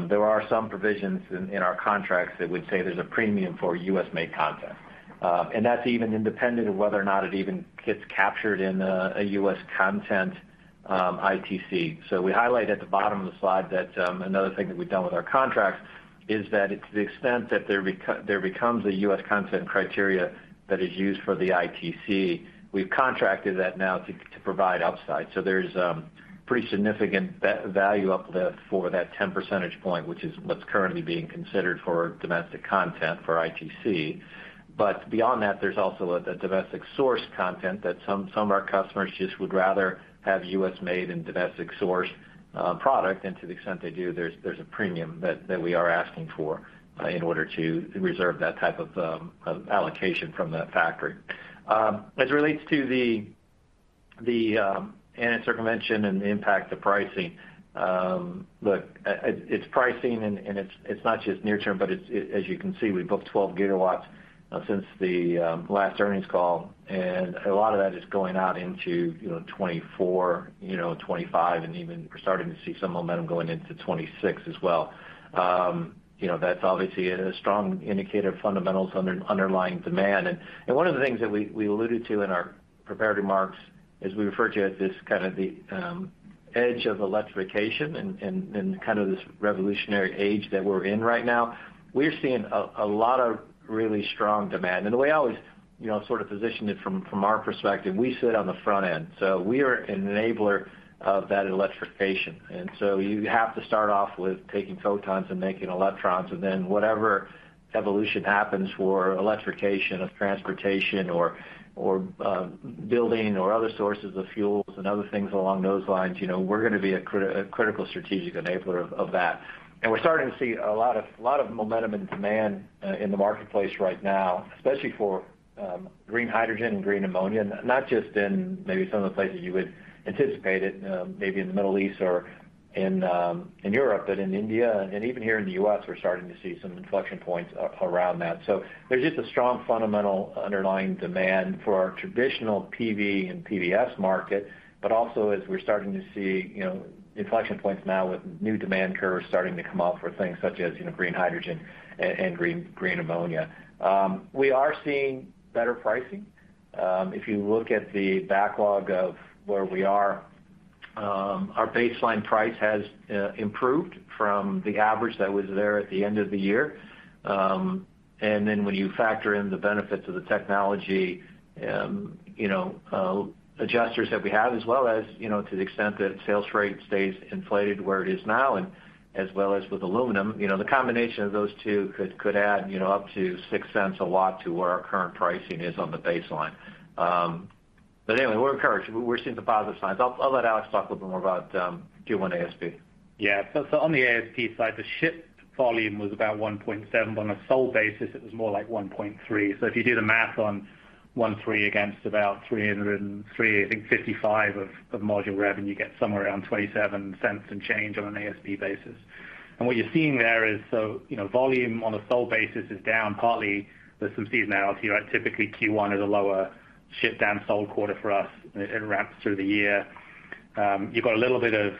S3: there are some provisions in our contracts that would say there's a premium for U.S.-made content. And that's even independent of whether or not it even gets captured in a U.S. content ITC. We highlight at the bottom of the slide that another thing that we've done with our contracts is that to the extent that there becomes a U.S. content criteria that is used for the ITC, we've contracted that now to provide upside. There's pretty significant value uplift for that 10 percentage point, which is what's currently being considered for domestic content for ITC. Beyond that, there's also the domestic source content that some of our customers just would rather have U.S.-made and domestic sourced product. To the extent they do, there's a premium that we are asking for in order to reserve that type of allocation from that factory. As it relates to the anti-circumvention and the impact to pricing, it's pricing and it's not just near-term, but as you can see, we've booked 12 GW since the last earnings call, and a lot of that is going out into, you know, 2024, you know, 2025, and even we're starting to see some momentum going into 2026 as well. You know, that's obviously a strong indicator of fundamentals underlying demand. One of the things that we alluded to in our prepared remarks is we referred to as this kind of the edge of electrification and kind of this revolutionary age that we're in right now. We're seeing a lot of really strong demand. The way I always, you know, sort of position it from our perspective, we sit on the front end, so we are an enabler of that electrification. You have to start off with taking photons and making electrons, and then whatever evolution happens for electrification of transportation or building or other sources of fuels and other things along those lines, you know, we're gonna be a critical strategic enabler of that. We're starting to see a lot of momentum and demand in the marketplace right now, especially for green hydrogen and green ammonia, not just in maybe some of the places you would anticipate it, maybe in the Middle East or in Europe, but in India, and even here in the U.S., we're starting to see some inflection points around that. There's just a strong fundamental underlying demand for our traditional PV and PVPS market, but also as we're starting to see, you know, inflection points now with new demand curves starting to come up for things such as, you know, green hydrogen and green ammonia. We are seeing better pricing. If you look at the backlog of where we are, our baseline price has improved from the average that was there at the end of the year. When you factor in the benefits of the technology, you know, adjusters that we have, as well as, you know, to the extent that scrap rate stays inflated where it is now and as well as with aluminum, you know, the combination of those two could add, you know, up to $0.06 a watt to where our current pricing is on the baseline. Anyway, we're encouraged. We're seeing some positive signs. I'll let Alex talk a little more about Q1 ASP.
S4: On the ASP side, the shipped volume was about 1.7. On a sold basis, it was more like 1.3. If you do the math on 1.3 against about 303, I think 55 of module revenue, you get somewhere around $0.27 and change on an ASP basis. What you're seeing there is volume on a sold basis is down partly. There's some seasonality, right? Typically Q1 is a lower shipped than sold quarter for us. It ramps through the year. You've got a little bit of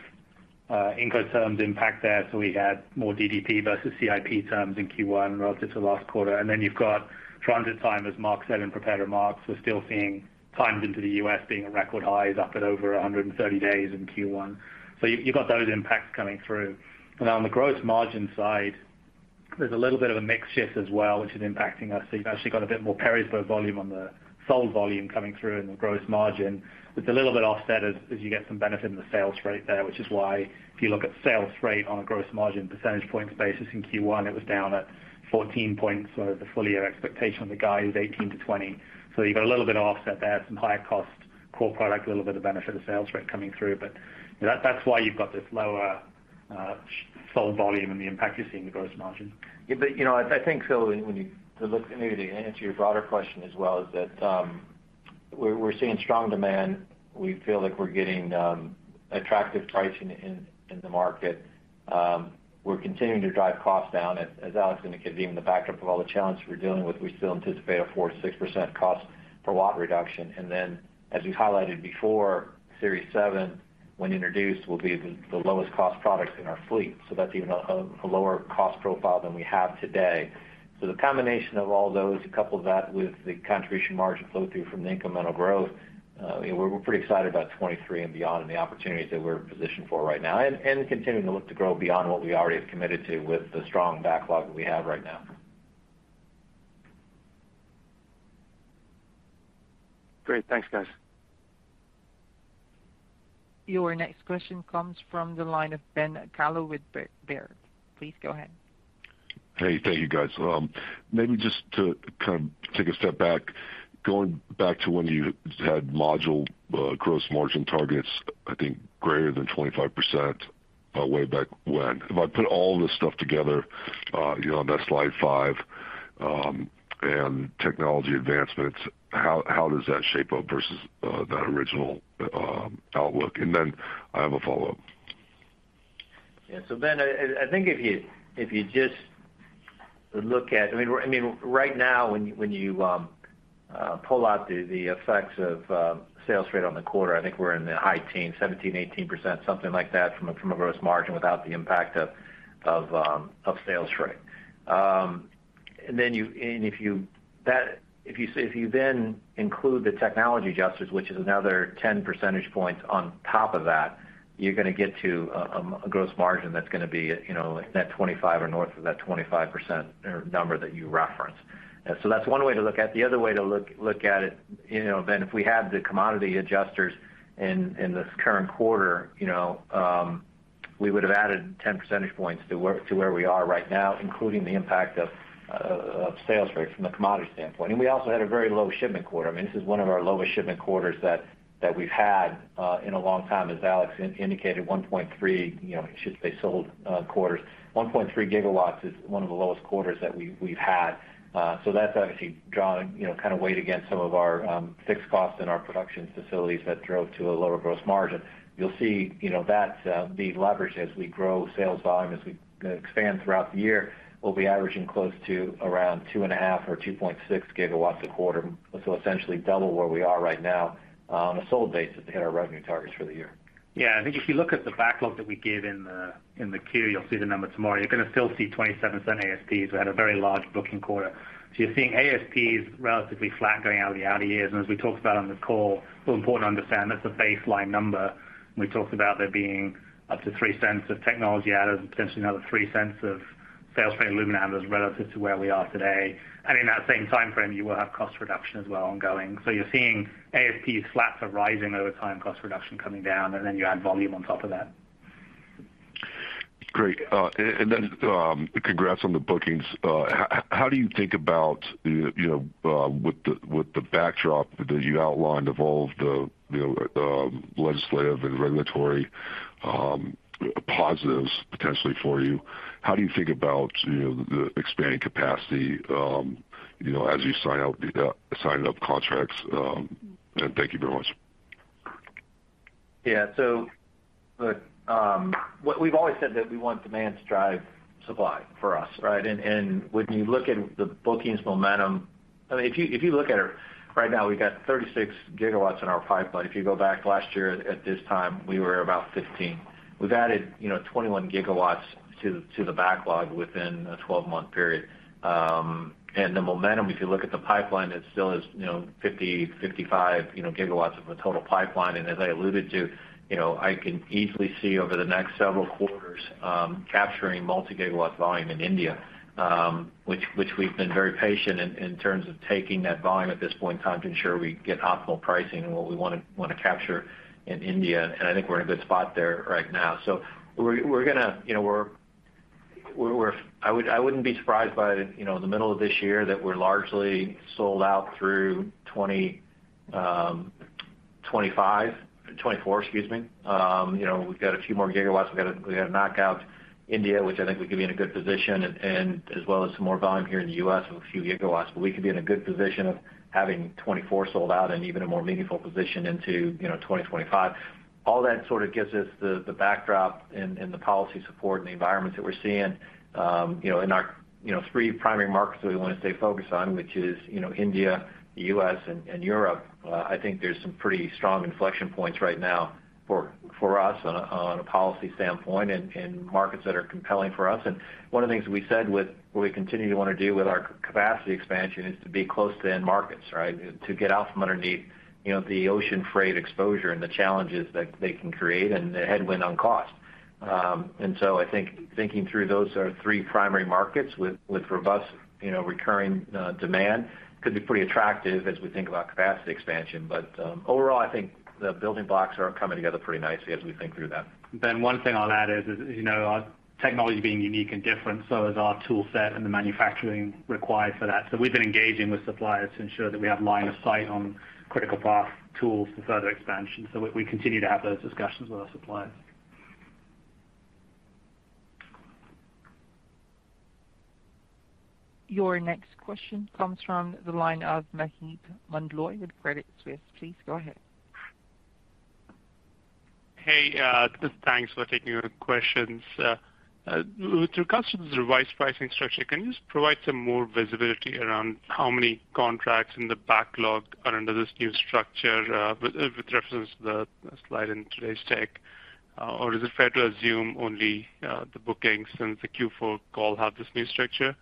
S4: Incoterms impact there. We had more DDP versus CIP terms in Q1 relative to last quarter. You've got transit time, as Mark said in prepared remarks. We're still seeing times into the U.S. being at record highs, up at over 130 days in Q1. You've got those impacts coming through. On the gross margin side, there's a little bit of a mix shift as well, which is impacting us. You've actually got a bit more Perrysburg volume on the sold volume coming through in the gross margin. It's a little bit offset as you get some benefit in the scrap rate there, which is why if you look at scrap rate on a gross margin percentage points basis in Q1, it was down at 14 points of the full year expectation. The guide is 18-20. You've got a little bit of offset there, some higher cost core product, a little bit of benefit of scrap rate coming through. That's why you've got this lower sold volume and the impact you're seeing in the gross margin.
S3: Yeah, you know, I think, Phil, maybe to answer your broader question as well, is that we're seeing strong demand. We feel like we're getting attractive pricing in the market. We're continuing to drive costs down. As Alex indicated, even the backdrop of all the challenges we're dealing with, we still anticipate a 4%-6% cost per watt reduction. Then as we've highlighted before, Series 7, when introduced, will be the lowest cost product in our fleet. That's even a lower cost profile than we have today. The combination of all those, couple that with the contribution margin flow through from the incremental growth, you know, we're pretty excited about 2023 and beyond and the opportunities that we're positioned for right now. Continuing to look to grow beyond what we already have committed to with the strong backlog that we have right now.
S5: Great. Thanks, guys.
S1: Your next question comes from the line of Ben Kallo with Baird. Please go ahead.
S6: Hey, thank you guys. Maybe just to kind of take a step back, going back to when you had module gross margin targets, I think greater than 25%, way back when. If I put all this stuff together, you know, on that slide five, and technology advancements, how does that shape up versus that original outlook? I have a follow-up.
S3: Ben, I think if you just look at—I mean, right now when you pull out the effects of scrap rate on the quarter, I think we're in the high teens, 17%, 18%, something like that from a gross margin without the impact of scrap rate. And then if you include the technology adjusters, which is another 10 percentage points on top of that, you're gonna get to a gross margin that's gonna be at, you know, at that 25% or north of that 25% number that you referenced. So that's one way to look at it. The other way to look at it, you know, Ben, if we had the commodity adjusters in this current quarter, you know, we would have added 10 percentage points to where we are right now, including the impact of scrap rate from the commodity standpoint. We also had a very low shipment quarter. I mean, this is one of our lowest shipment quarters that we've had in a long time. As Alex indicated, 1.3 GW is one of the lowest quarters that we've had. So that's obviously drawn, you know, kind of weight against some of our fixed costs in our production facilities that drove to a lower gross margin. You'll see, you know, that being leveraged as we grow sales volume, as we expand throughout the year. We'll be averaging close to around 2.5 GW or 2.6 GW a quarter. Essentially double where we are right now on a sold basis to hit our revenue targets for the year.
S4: Yeah. I think if you look at the backlog that we gave in the 10-Q, you'll see the number tomorrow. You're gonna still see $0.27 ASPs. We had a very large booking quarter. You're seeing ASPs relatively flat going out into the out years. As we talked about on this call, it's important to understand that's a baseline number. We talked about there being up to $0.03 of technology added, potentially another $0.03 of scrap rate and aluminum adders relative to where we are today. In that same timeframe, you will have cost reduction as well ongoing. You're seeing ASPs flat to rising over time, cost reduction coming down, and then you add volume on top of that.
S6: Great. Congrats on the bookings. How do you think about, you know, with the backdrop that you outlined of all of the, you know, legislative and regulatory positives potentially for you, how do you think about, you know, the expanding capacity, you know, as you signing up contracts? Thank you very much.
S3: Yeah. Look, what we've always said that we want demand to drive supply for us, right? When you look at the bookings momentum. I mean, if you look at it right now, we've got 36 GW in our pipeline. If you go back last year at this time, we were about 15. We've added, you know, 21 GW to the backlog within a 12-month period. The momentum, if you look at the pipeline, it still is, you know, 50-55, you know, gigawatts of a total pipeline. As I alluded to, you know, I can easily see over the next several quarters, capturing multi-gigawatt volume in India, which we've been very patient in terms of taking that volume at this point in time to ensure we get optimal pricing and what we wanna capture in India. I think we're in a good spot there right now. We're gonna, you know, I wouldn't be surprised by, you know, in the middle of this year that we're largely sold out through 2025, uh, 2024, excuse me. You know, we've got a few more gigawatts. We gotta knock out India, which I think would give me in a good position and as well as some more volume here in the U.S. of a few gigawatts. We could be in a good position of having 2024 sold out and even a more meaningful position into, you know, 2025. All that sort of gives us the backdrop and the policy support and the environment that we're seeing, you know, in our, you know, three primary markets that we wanna stay focused on, which is, you know, India, the U.S. and Europe. I think there's some pretty strong inflection points right now for us on a policy standpoint and markets that are compelling for us. One of the things we said with what we continue to wanna do with our capacity expansion is to be close to end markets, right? To get out from underneath, you know, the ocean freight exposure and the challenges that they can create and the headwind on cost. I think thinking through those are three primary markets with robust, you know, recurring demand could be pretty attractive as we think about capacity expansion. Overall, I think the building blocks are coming together pretty nicely as we think through that.
S4: Ben, one thing I'll add is, you know, our technology being unique and different, so is our tool set and the manufacturing required for that. We've been engaging with suppliers to ensure that we have line of sight on critical path tools for further expansion. We continue to have those discussions with our suppliers.
S1: Your next question comes from the line of Maheep Mandloi with Credit Suisse. Please go ahead.
S7: Hey, just thanks for taking our questions. With regards to this revised pricing structure, can you just provide some more visibility around how many contracts in the backlog are under this new structure, with reference to the slide in today's deck? Or is it fair to assume only the bookings since the Q4 call have this new structure?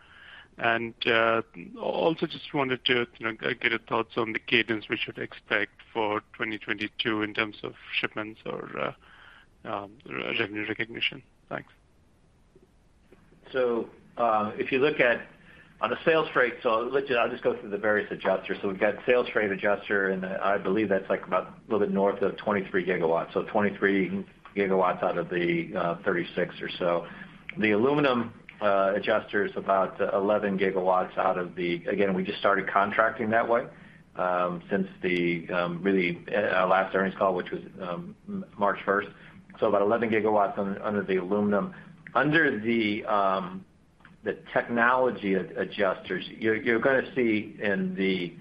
S7: Also just wanted to get your thoughts on the cadence we should expect for 2022 in terms of shipments or revenue recognition. Thanks.
S3: If you look at on a sales freight, I'll just go through the various adders. We've got sales freight adder, and I believe that's like about a little bit north of 23 GW. 23 GW out of the 36 or so. The aluminum adder is about 11 GW out of the. Again, we just started contracting that way since the really last earnings call, which was March 1. About 11 GW under the aluminum. Under the technology adders, you're gonna see in the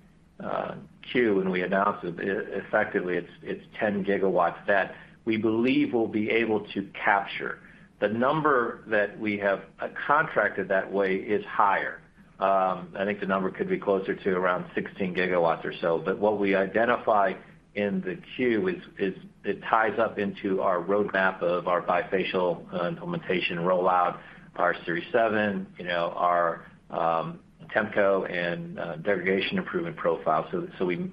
S3: Q when we announce it, effectively it's 10 GW that we believe we'll be able to capture. The number that we have contracted that way is higher. I think the number could be closer to around 16 GW or so. What we identify in the queue is it ties up into our roadmap of our bifacial implementation rollout, our Series 7, you know, our temperature coefficient and degradation improvement profile.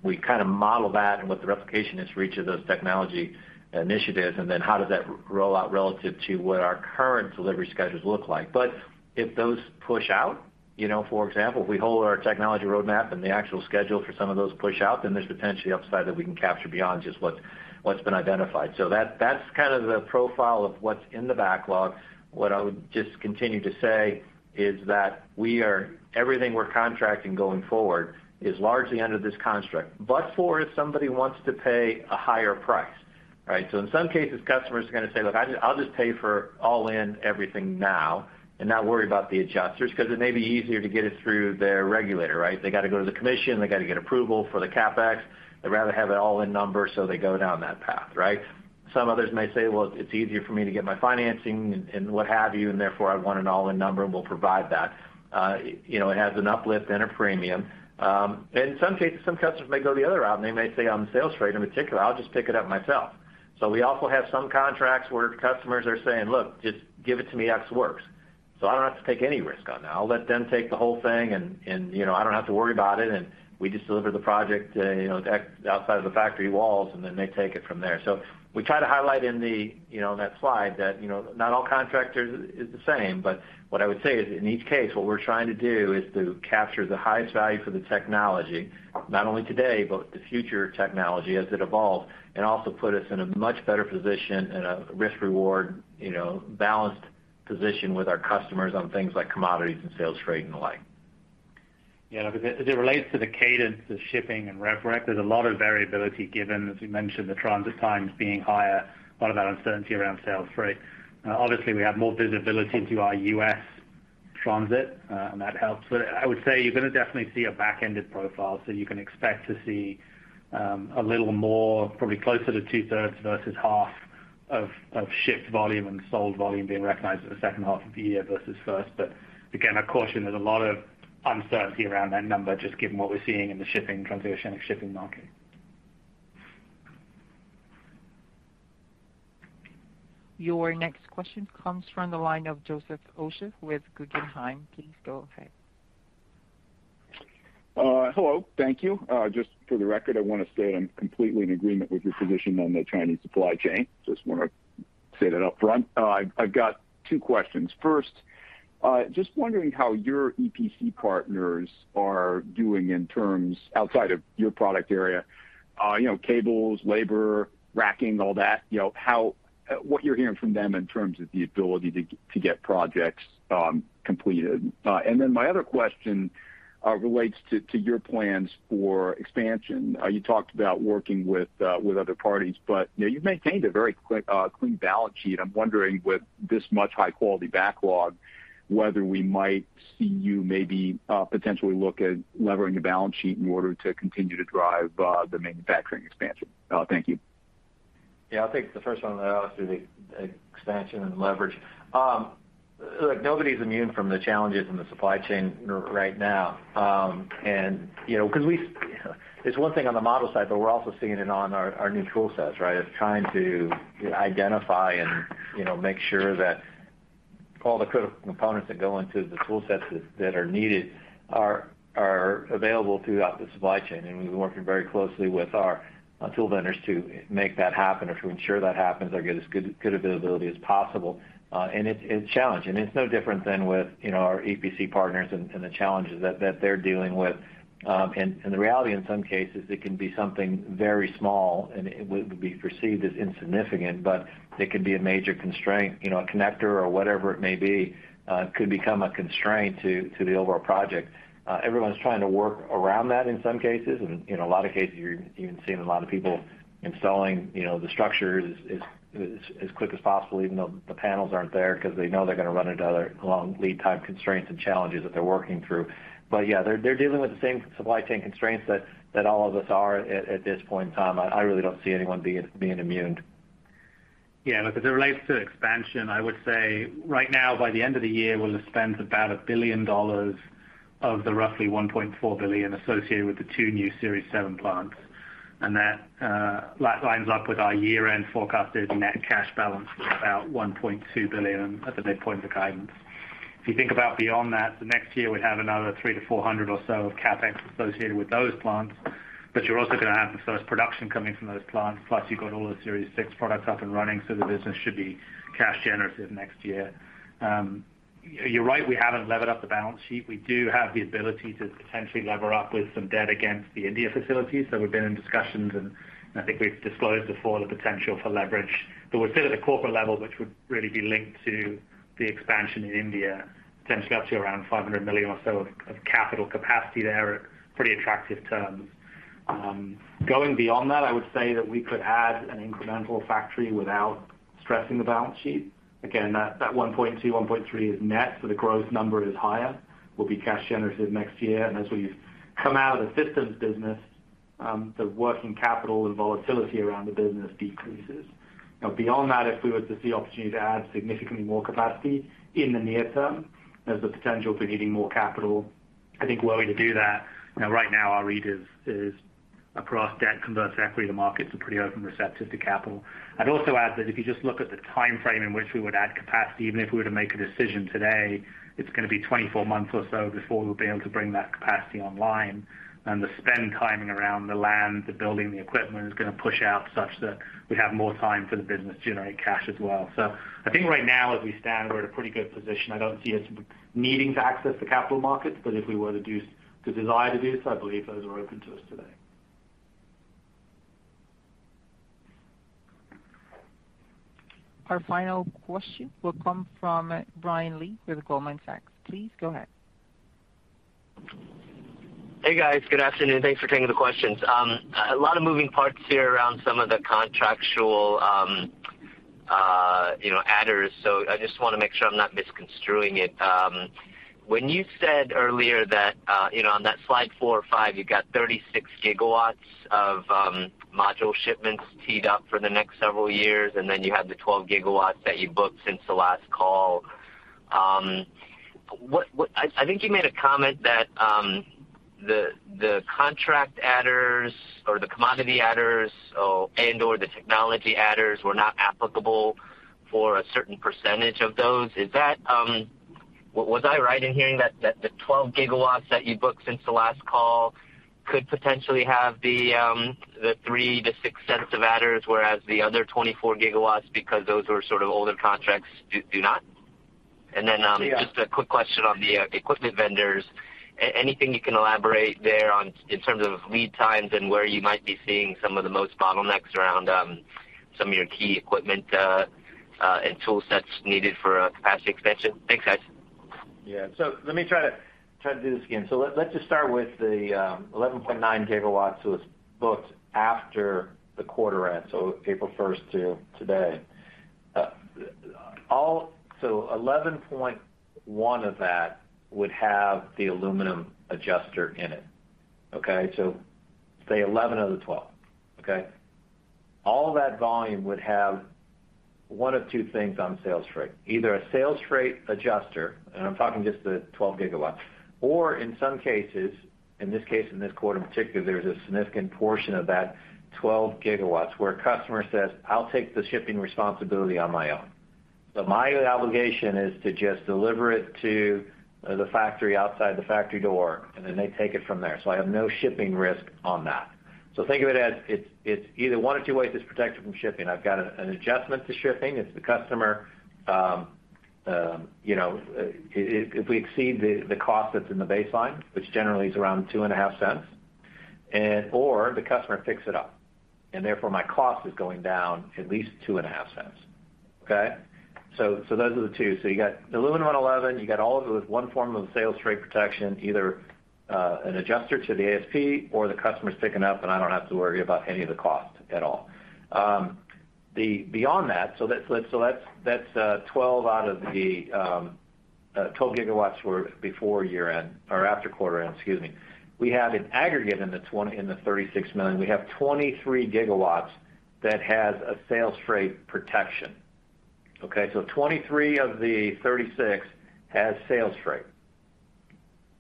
S3: We kinda model that and what the replication is for each of those technology initiatives, and then how does that roll out relative to what our current delivery schedules look like. If those push out, you know, for example, if we hold our technology roadmap and the actual schedule for some of those push out, then there's potentially upside that we can capture beyond just what's been identified. That's kind of the profile of what's in the backlog. What I would just continue to say is that everything we're contracting going forward is largely under this construct, but if somebody wants to pay a higher price, right? In some cases, customers are gonna say, "Look, I'll just pay for all in everything now and not worry about the adjusters," 'cause it may be easier to get it through their regulator, right? They gotta go to the commission, they gotta get approval for the CapEx. They'd rather have it all in number, so they go down that path, right? Some others may say, "Well, it's easier for me to get my financing and what have you, and therefore I want an all-in number," and we'll provide that. You know, it has an uplift and a premium. In some cases, some customers may go the other route, and they may say on the sales freight in particular, "I'll just pick it up myself." We also have some contracts where customers are saying, "Look, just give it to me Ex Works, so I don't have to take any risk on that. I'll let them take the whole thing and, you know, I don't have to worry about it," and we just deliver the project, you know, at outside of the factory walls, and then they take it from there. We try to highlight in the, you know, in that slide that, you know, not all contractors is the same. What I would say is in each case, what we're trying to do is to capture the highest value for the technology, not only today, but the future technology as it evolves, and also put us in a much better position and a risk-reward, you know, balanced position with our customers on things like commodities and sales freight and the like.
S4: Yeah, as it relates to the cadence of shipping and rev rec, there's a lot of variability given, as we mentioned, the transit times being higher, a lot of that uncertainty around sales freight. Obviously, we have more visibility to our U.S. transit, and that helps. I would say you're gonna definitely see a back-ended profile, so you can expect to see a little more, probably closer to 2/3 versus half of shipped volume and sold volume being recognized in the second half of the year versus first. Again, I caution there's a lot of uncertainty around that number just given what we're seeing in the shipping situation and shipping market.
S1: Your next question comes from the line of Joseph Osha with Guggenheim. Please go ahead.
S8: Hello. Thank you. Just for the record, I wanna say I'm completely in agreement with your position on the Chinese supply chain. Just wanna say that up front. I've got two questions. First, just wondering how your EPC partners are doing in terms outside of your product area, you know, cables, labor, racking, all that, you know, how, what you're hearing from them in terms of the ability to get projects completed. My other question relates to your plans for expansion. You talked about working with other parties, but, you know, you've maintained a very clean balance sheet. I'm wondering with this much high quality backlog, whether we might see you maybe potentially look at levering a balance sheet in order to continue to drive the manufacturing expansion. Thank you.
S3: Yeah, I'll take the first one. I'll do the expansion and leverage. Look, nobody's immune from the challenges in the supply chain right now. It's one thing on the model side, but we're also seeing it on our new tool sets, right? It's trying to identify and, you know, make sure that all the critical components that go into the tool sets that are needed are available throughout the supply chain. We've been working very closely with our tool vendors to make that happen or to ensure that happens or get as good availability as possible. It's challenging. It's no different than with, you know, our EPC partners and the challenges that they're dealing with. The reality in some cases, it can be something very small, and it would be perceived as insignificant, but it could be a major constraint. You know, a connector or whatever it may be could become a constraint to the overall project. Everyone's trying to work around that in some cases. In a lot of cases, you're even seeing a lot of people installing, you know, the structures as quick as possible, even though the panels aren't there because they know they're gonna run into other long lead time constraints and challenges that they're working through. Yeah, they're dealing with the same supply chain constraints that all of us are at this point in time. I really don't see anyone being immune.
S4: Yeah. Look, as it relates to expansion, I would say right now, by the end of the year, we'll have spent about $1 billion of the roughly $1.4 billion associated with the two new Series 7 plants. That lines up with our year-end forecasted net cash balance of about $1.2 billion at the midpoint of guidance. If you think about beyond that, next year, we have another $300 million-$400 million or so of CapEx associated with those plants. You're also gonna have the first production coming from those plants, plus you've got all the Series 6 products up and running, so the business should be cash generative next year. You're right, we haven't levered up the balance sheet. We do have the ability to potentially lever up with some debt against the India facilities. We've been in discussions, and I think we've disclosed before the potential for leverage. We're still at a corporate level, which would really be linked to the expansion in India, potentially up to around $500 million or so of capital capacity there at pretty attractive terms. Going beyond that, I would say that we could add an incremental factory without stressing the balance sheet. Again, that 1.2-1.3 is net, so the growth number is higher. We'll be cash generative next year. As we come out of the systems business, the working capital and volatility around the business decreases. Now, beyond that, if we were to see opportunity to add significantly more capacity in the near-term, there's the potential for needing more capital. I think we're going to do that. Right now, our read is across debt, converts, equity, and other markets are pretty open, receptive to capital. I'd also add that if you just look at the timeframe in which we would add capacity, even if we were to make a decision today, it's gonna be 24 months or so before we'll be able to bring that capacity online. The spend timing around the land, the building, the equipment is gonna push out such that we have more time for the business to generate cash as well. I think right now, as we stand, we're in a pretty good position. I don't see us needing to access the capital markets, but if we were to desire to do so, I believe those are open to us today.
S1: Our final question will come from Brian Lee with Goldman Sachs. Please go ahead.
S9: Hey, guys. Good afternoon. Thanks for taking the questions. A lot of moving parts here around some of the contractual, you know, adders. So I just wanna make sure I'm not misconstruing it. When you said earlier that, you know, on that slide four or five you got 36 GW of module shipments teed up for the next several years, and then you have the 12 GW that you booked since the last call. What—I think you made a comment that the contract adders or the commodity adders or the technology adders were not applicable for a certain percentage of those. Is that? Was I right in hearing that the 12 GW that you booked since the last call could potentially have the $0.03-$0.06 of adders, whereas the other 24 GW, because those were sort of older contracts, do not? Just a quick question on the equipment vendors. Anything you can elaborate there on in terms of lead times and where you might be seeing some of the most bottlenecks around some of your key equipment and tool sets needed for a capacity expansion. Thanks, guys.
S3: Yeah. Let me try to do this again. Let's just start with the 11.9 GW that was booked after the quarter end, so April first to today. 11.1 GW of that would have the aluminum adder in it. Okay? Say 11 GW out of the 12 GW. Okay? All that volume would have one of two things on scrap rate, either a scrap rate adder, and I'm talking just the 12 GW, or in some cases, in this case, in this quarter in particular, there's a significant portion of that 12 GW where a customer says, "I'll take the shipping responsibility on my own." My obligation is to just deliver it to the factory outside the factory door, and then they take it from there. I have no shipping risk on that. Think of it as it's either one of two ways it's protected from shipping. I've got an adjustment to shipping. It's the customer, if we exceed the cost that's in the baseline, which generally is around $0.025, and/or the customer picks it up, and therefore my cost is going down at least $0.025. Okay? Those are the two. You got aluminum adders, you got all of those one form of scrap rate protection, either an adjuster to the ASP or the customer's picking up, and I don't have to worry about any of the cost at all. Beyond that's 12 GW out of the 12 GW were before year-end or after quarter-end, excuse me. We have an aggregate in the $36 million. We have 23 GW that has a sales freight protection, okay? 23 of the 36 has sales freight,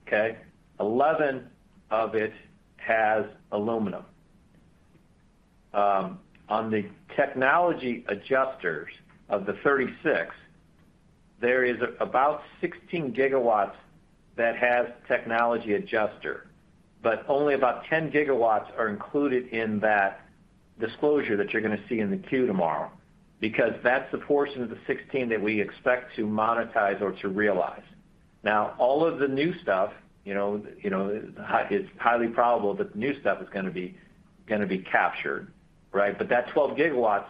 S3: okay? 11 of it has aluminum. On the technology adjusters of the 36, there is about 16 GW that has technology adjuster, but only about 10 GW are included in that disclosure that you're gonna see in the 10-Q tomorrow because that's the portion of the 16 that we expect to monetize or to realize. Now, all of the new stuff, you know, it's highly probable that the new stuff is gonna be captured, right? That 12 GW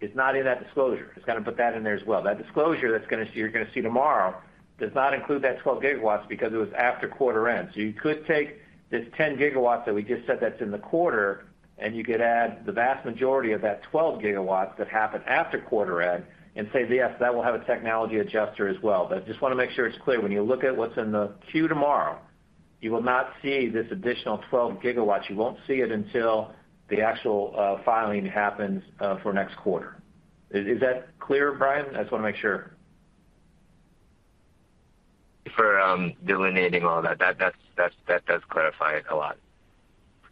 S3: is not in that disclosure. Just gotta put that in there as well. That disclosure that you're gonna see tomorrow does not include that 12 GW because it was after quarter end. You could take this 10 GW that we just said that's in the quarter, and you could add the vast majority of that 12 GW that happened after quarter end and say, "Yes, that will have a technology adjuster as well." But I just wanna make sure it's clear, when you look at what's in the 10-Q tomorrow, you will not see this additional 12 GW. You won't see it until the actual filing happens for next quarter. Is that clear, Brian? I just wanna make sure.
S9: For delineating all that does clarify it a lot.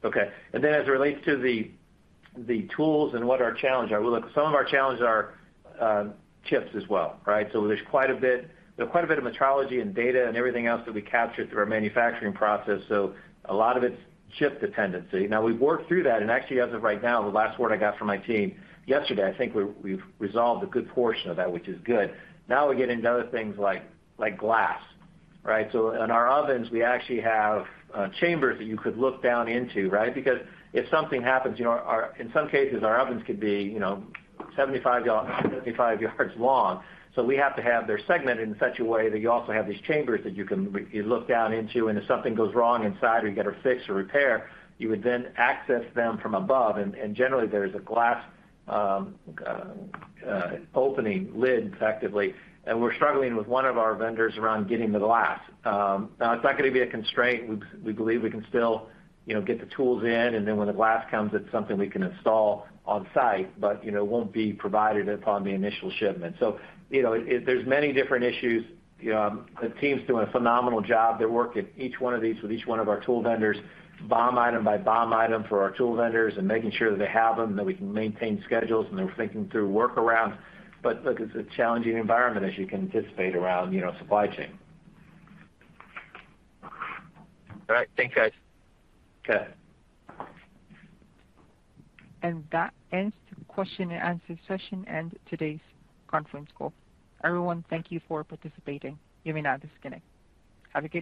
S3: As it relates to the tools and what our challenge are, well, look, some of our challenges are chips as well, right? So there's quite a bit of metrology and data and everything else that we capture through our manufacturing process, so a lot of it's chip dependency. Now we've worked through that, and actually as of right now, the last word I got from my team yesterday, I think we've resolved a good portion of that, which is good. Now we get into other things like glass, right? So in our ovens, we actually have chambers that you could look down into, right? Because if something happens, you know, our ovens could be, you know, 75 yards long. They're segmented in such a way that you also have these chambers that you can look down into, and if something goes wrong inside or you gotta fix or repair, you would then access them from above. Generally there's a glass opening lid effectively, and we're struggling with one of our vendors around getting the glass. Now it's not gonna be a constraint. We believe we can still, you know, get the tools in, and then when the glass comes, it's something we can install on site, but, you know, it, there's many different issues. The team's doing a phenomenal job. They're working each one of these with each one of our tool vendors, BOM item by BOM item for our tool vendors and making sure that they have them, that we can maintain schedules, and they're thinking through workarounds. Look, it's a challenging environment as you can anticipate around, you know, supply chain.
S9: All right. Thanks, guys.
S3: Okay.
S1: That ends the question and answer session and today's conference call. Everyone, thank you for participating. You may now disconnect. Have a good night.